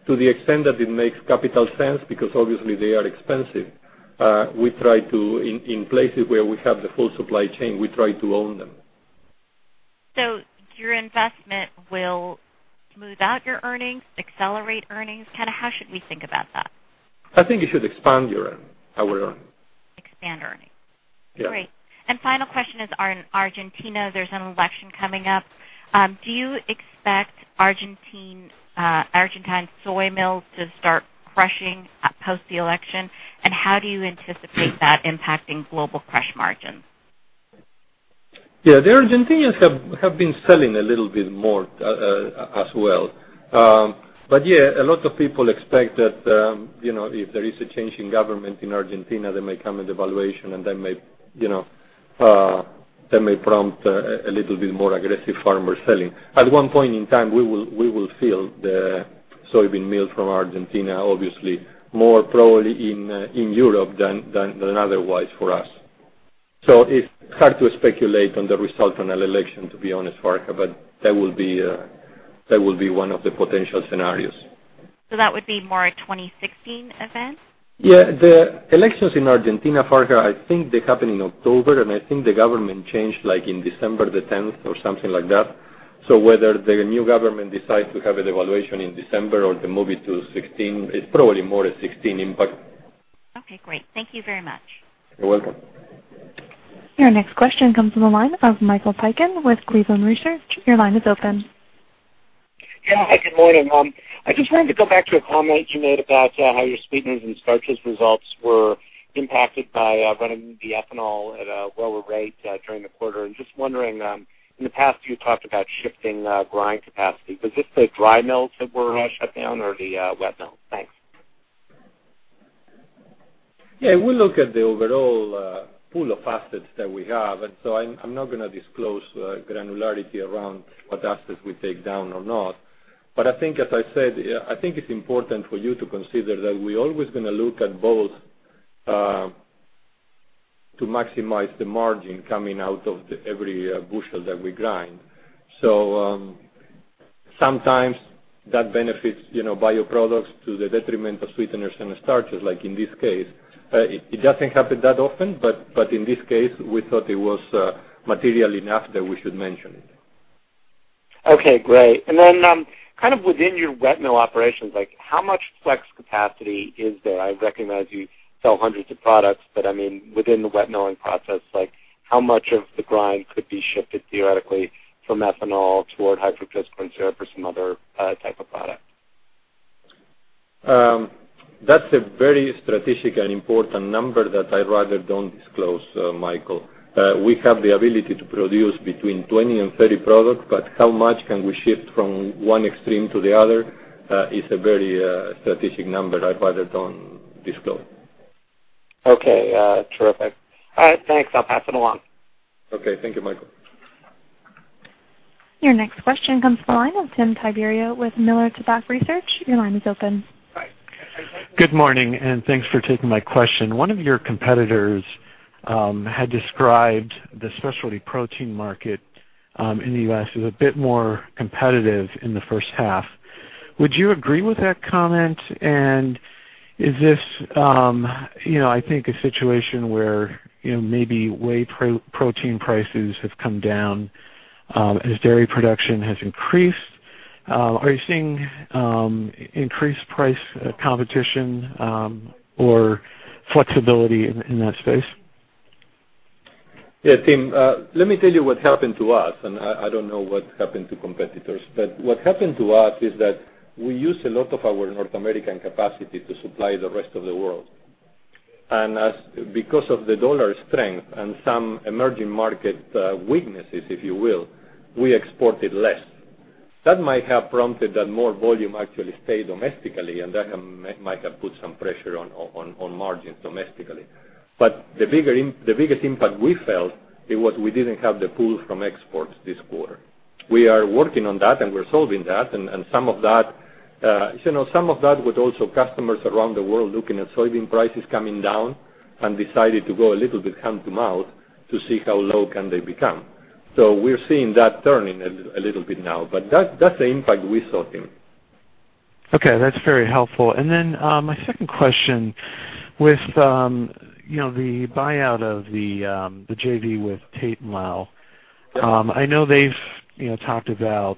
To the extent that it makes capital sense, because obviously they are expensive, in places where we have the full supply chain, we try to own them. Your investment will smooth out your earnings, accelerate earnings? Kind of how should we think about that? I think it should expand our earnings. Expand earnings. Yeah. Great. Final question is on Argentina, there's an election coming up. Do you expect Argentine soy mills to start crushing post the election? How do you anticipate that impacting global crush margins? The Argentinians have been selling a little bit more as well. Yeah, a lot of people expect that if there is a change in government in Argentina, there may come a devaluation and that may prompt a little bit more aggressive farmer selling. At one point in time, we will feel the soybean meal from Argentina, obviously, more probably in Europe than otherwise for us. It's hard to speculate on the result on an election, to be honest, Farha, but that will be one of the potential scenarios. That would be more a 2016 event? The elections in Argentina, Farha, I think they happen in October, I think the government changed, like, in December the 10th or something like that. Whether the new government decides to have a devaluation in December or to move it to 2016, it's probably more a 2016 impact. Great. Thank you very much. You're welcome. Your next question comes from the line of Michael Piken with Cleveland Research. Your line is open. Yeah. Good morning. Just wondering, in the past, you talked about shifting grind capacity. Was this the dry mills that were shut down or the wet mills? Thanks. Yeah, we look at the overall pool of assets that we have, and so I'm not going to disclose granularity around what assets we take down or not. I think, as I said, I think it's important for you to consider that we're always going to look at both to maximize the margin coming out of every bushel that we grind. Sometimes that benefits bioproducts to the detriment of sweeteners and starches, like in this case. It doesn't happen that often, but in this case, we thought it was material enough that we should mention it. Okay, great. Then, kind of within your wet mill operations, how much flex capacity is there? I recognize you sell hundreds of products, but I mean, within the wet milling process, how much of the grind could be shifted theoretically from ethanol toward high fructose corn syrup or some other type of product? That's a very strategic and important number that I'd rather not disclose, Michael. We have the ability to produce between 20 and 30 products, but how much can we shift from one extreme to the other is a very strategic number I'd rather not disclose. Okay. Terrific. All right, thanks. I'll pass it along. Okay. Thank you, Michael. Your next question comes from the line of Tim Tiberio with Miller Tabak Research. Your line is open. Hi. Good morning, thanks for taking my question. One of your competitors had described the specialty protein market in the U.S. as a bit more competitive in the first half. Would you agree with that comment? Is this, I think a situation where maybe whey protein prices have come down as dairy production has increased? Are you seeing increased price competition or flexibility in that space? Yeah, Tim, let me tell you what happened to us. I don't know what happened to competitors. What happened to us is that we use a lot of our North American capacity to supply the rest of the world. Because of the dollar strength and some emerging market weaknesses, if you will, we exported less. That might have prompted that more volume actually stay domestically, and that might have put some pressure on margins domestically. The biggest impact we felt, it was we didn't have the pool from exports this quarter. We are working on that. We're solving that. Some of that with also customers around the world looking at soybean prices coming down and decided to go a little bit hand to mouth to see how low can they become. We're seeing that turning a little bit now. That's the impact we saw, Tim. Okay, that's very helpful. My second question, with the buyout of the JV with Tate & Lyle, I know they've talked about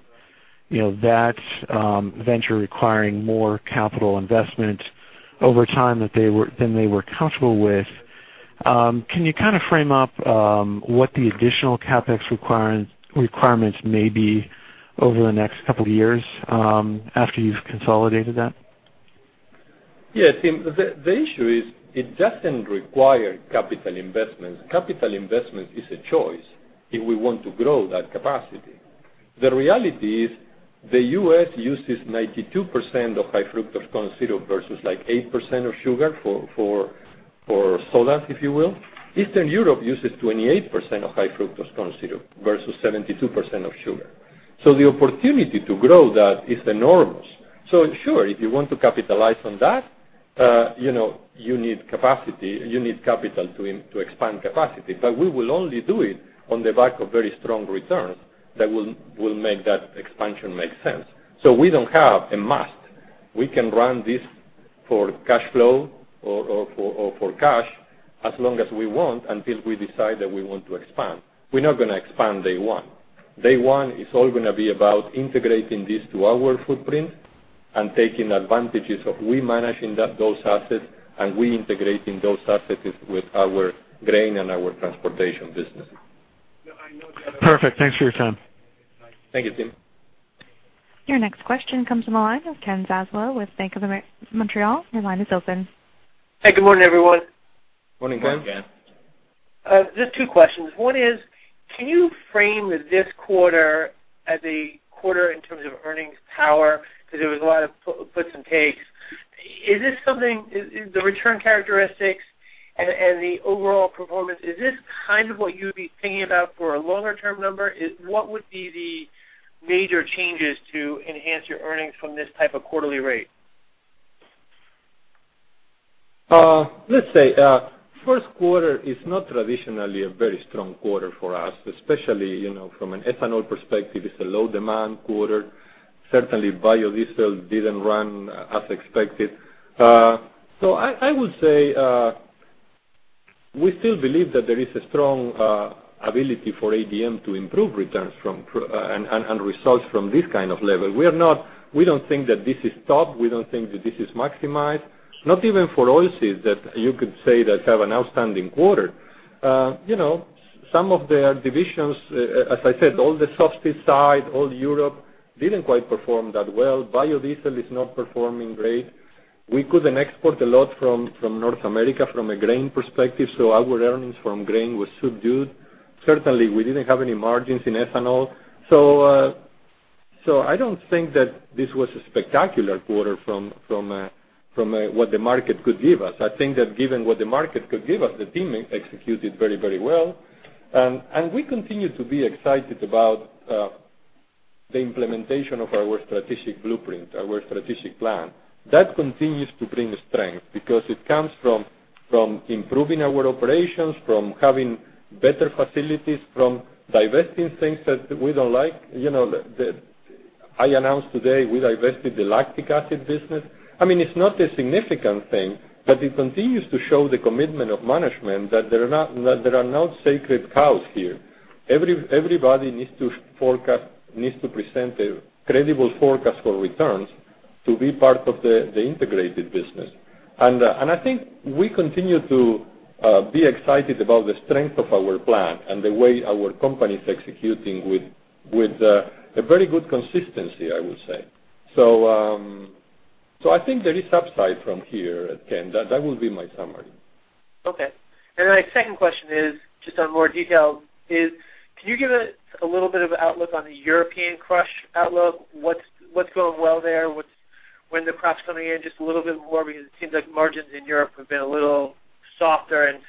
that venture requiring more capital investment over time than they were comfortable with. Can you kind of frame up what the additional CapEx requirements may be over the next couple of years after you've consolidated that? Yeah, Tim, the issue is it doesn't require capital investments. Capital investments is a choice if we want to grow that capacity. The reality is the U.S. uses 92% of high fructose corn syrup versus like 8% of sugar for sodas, if you will. Eastern Europe uses 28% of high fructose corn syrup versus 72% of sugar. The opportunity to grow that is enormous. Sure, if you want to capitalize on that, you need capital to expand capacity. We will only do it on the back of very strong returns that will make that expansion make sense. We don't have a must. We can run this for cash flow or for cash as long as we want until we decide that we want to expand. We're not going to expand day one. Day one is all going to be about integrating this to our footprint and taking advantages of we managing those assets and we integrating those assets with our grain and our transportation business. Perfect. Thanks for your time. Thank you, Tim. Your next question comes from the line of Ken Zaslow with BMO Capital Markets. Your line is open. Hey, good morning, everyone. Morning, Ken. Morning, Ken. Just two questions. One is, can you frame this quarter as a quarter in terms of earnings power? There was a lot of puts and takes. The return characteristics and the overall performance, is this kind of what you'd be thinking about for a longer-term number? What would be the major changes to enhance your earnings from this type of quarterly rate? Let's say, first quarter is not traditionally a very strong quarter for us, especially from an ethanol perspective. It's a low-demand quarter. Certainly, biodiesel didn't run as expected. I would say we still believe that there is a strong ability for ADM to improve returns and results from this kind of level. We don't think that this is top. We don't think that this is maximized. Not even for oilseeds that you could say that have an outstanding quarter. Some of their divisions, as I said, all the soft seed side, all Europe didn't quite perform that well. Biodiesel is not performing great. We couldn't export a lot from North America from a grain perspective, so our earnings from grain were subdued. Certainly, we didn't have any margins in ethanol. I don't think that this was a spectacular quarter from what the market could give us. I think that given what the market could give us, the team executed very well. We continue to be excited about the implementation of our strategic blueprint, our strategic plan. That continues to bring strength because it comes from improving our operations, from having better facilities, from divesting things that we don't like. I announced today we divested the lactic acid business. It's not a significant thing, but it continues to show the commitment of management that there are no sacred cows here. Everybody needs to present a credible forecast for returns to be part of the integrated business. I think we continue to be excited about the strength of our plan and the way our company is executing with a very good consistency, I would say. I think there is upside from here at Ken. That will be my summary. Okay. My second question is, just on more detail, can you give a little bit of an outlook on the European crush outlook? What's going well there? When the crop's coming in just a little bit more, it seems like margins in Europe have been a little softer and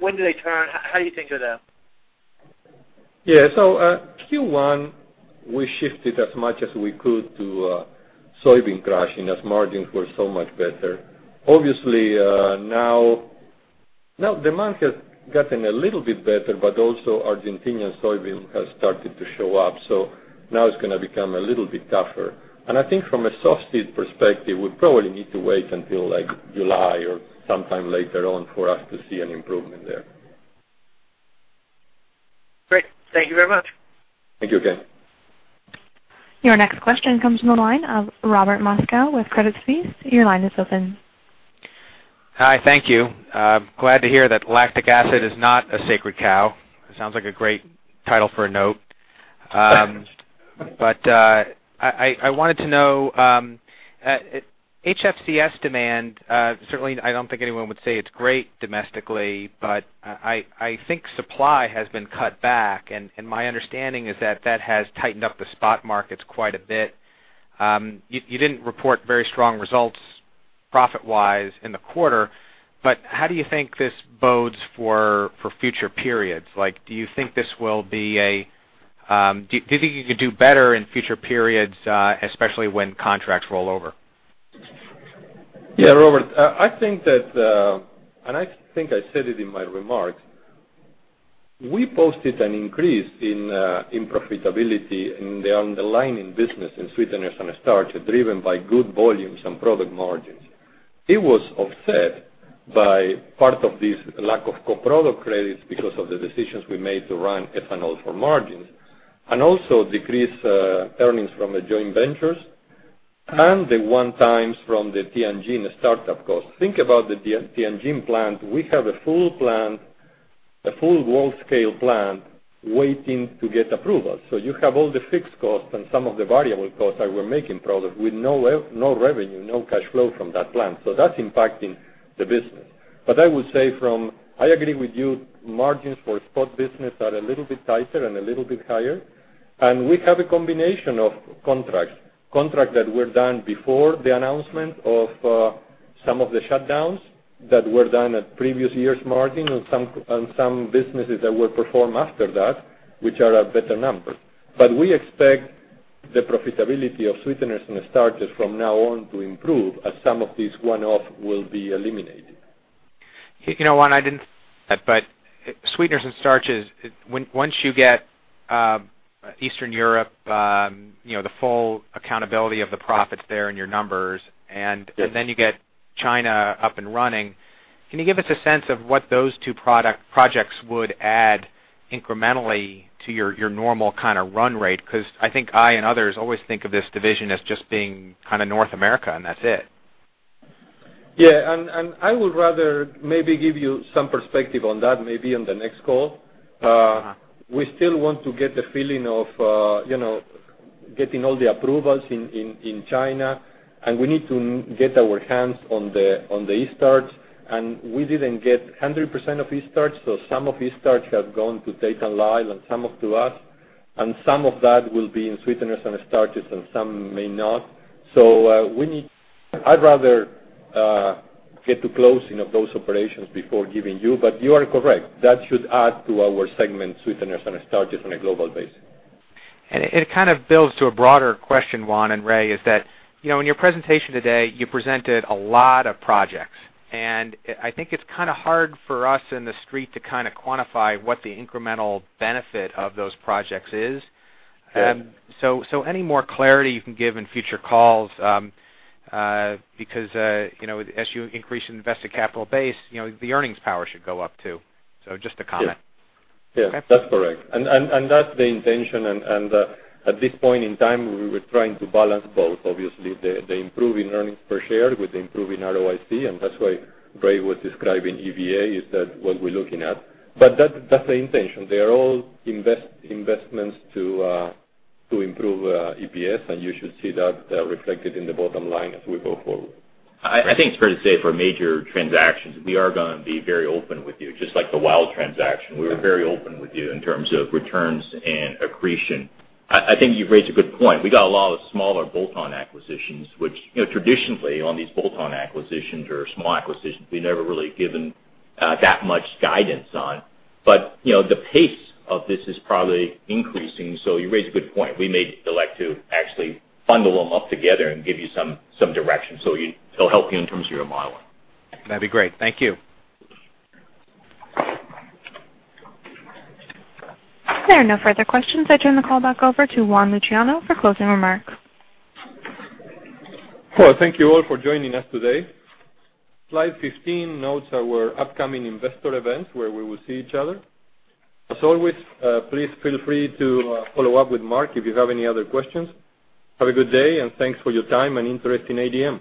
when do they turn? How do you think of that? Yeah. Q1, we shifted as much as we could to soybean crushing as margins were so much better. Obviously, now the market has gotten a little bit better, Argentinian soybean has started to show up, now it's going to become a little bit tougher. I think from a soft seed perspective, we probably need to wait until July or sometime later on for us to see an improvement there. Great. Thank you very much. Thank you, Ken. Your next question comes from the line of Robert Moskow with Credit Suisse. Your line is open. Hi. Thank you. Glad to hear that lactic acid is not a sacred cow. It sounds like a great title for a note. I wanted to know, HFCS demand, certainly I don't think anyone would say it's great domestically, I think supply has been cut back, and my understanding is that that has tightened up the spot markets quite a bit. You didn't report very strong results profit-wise in the quarter, how do you think this bodes for future periods? Do you think you could do better in future periods, especially when contracts roll over? Yeah, Robert. I think that, I think I said it in my remarks, we posted an increase in profitability in the underlying business in sweeteners and starch, driven by good volumes and product margins. It was offset by part of this lack of co-product credits because of the decisions we made to run ethanol for margins, and also decreased earnings from the joint ventures and the one times from the Tianjin and the startup costs. Think about the Tianjin plant. We have a full plant, a full wall scale plant waiting to get approval. You have all the fixed costs and some of the variable costs that we're making progress with no revenue, no cash flow from that plant. That's impacting the business. I would say from, I agree with you, margins for spot business are a little bit tighter and a little bit higher. We have a combination of contracts. Contract that were done before the announcement of some of the shutdowns that were done at previous years' margin and some businesses that were performed after that, which are a better number. We expect the profitability of sweeteners and starches from now on to improve as some of these one-off will be eliminated. Juan, I didn't. Sweeteners and Starches, once you get Eastern Europe, the full accountability of the profits there in your numbers. Yes Then you get China up and running, can you give us a sense of what those two projects would add incrementally to your normal kind of run rate? Because I think I and others always think of this division as just being kind of North America, and that's it. Yeah. I would rather maybe give you some perspective on that maybe on the next call. We still want to get the feeling of getting all the approvals in China, we need to get our hands on the starch. We didn't get 100% of the starch, some of the starch has gone to Tate & Lyle and some of to us, some of that will be in Sweeteners and Starches, some may not. I'd rather get to closing of those operations before giving you are correct. That should add to our segment Sweeteners and Starches on a global basis. It kind of builds to a broader question, Juan and Ray, is that, in your presentation today, you presented a lot of projects. I think it's kind of hard for us in the street to kind of quantify what the incremental benefit of those projects is. Sure. Any more clarity you can give in future calls, because as you increase in invested capital base, the earnings power should go up, too. Just a comment. Yes. That's correct. That's the intention. At this point in time, we were trying to balance both, obviously, the improving earnings per share with improving ROIC, and that's why Ray was describing EVA, is that what we're looking at. That's the intention. They are all investments to improve EPS, and you should see that reflected in the bottom line as we go forward. I think it's fair to say for major transactions, we are going to be very open with you, just like the WILD transaction. We were very open with you in terms of returns and accretion. I think you've raised a good point. We got a lot of smaller bolt-on acquisitions, which traditionally on these bolt-on acquisitions or small acquisitions, we never really given that much guidance on. The pace of this is probably increasing, you raise a good point. We may elect to actually bundle them up together and give you some direction, it'll help you in terms of your modeling. That'd be great. Thank you. There are no further questions. I turn the call back over to Juan Luciano for closing remarks. Well, thank you all for joining us today. Slide 15 notes our upcoming investor events where we will see each other. As always, please feel free to follow up with Mark if you have any other questions. Have a good day, and thanks for your time and interest in ADM.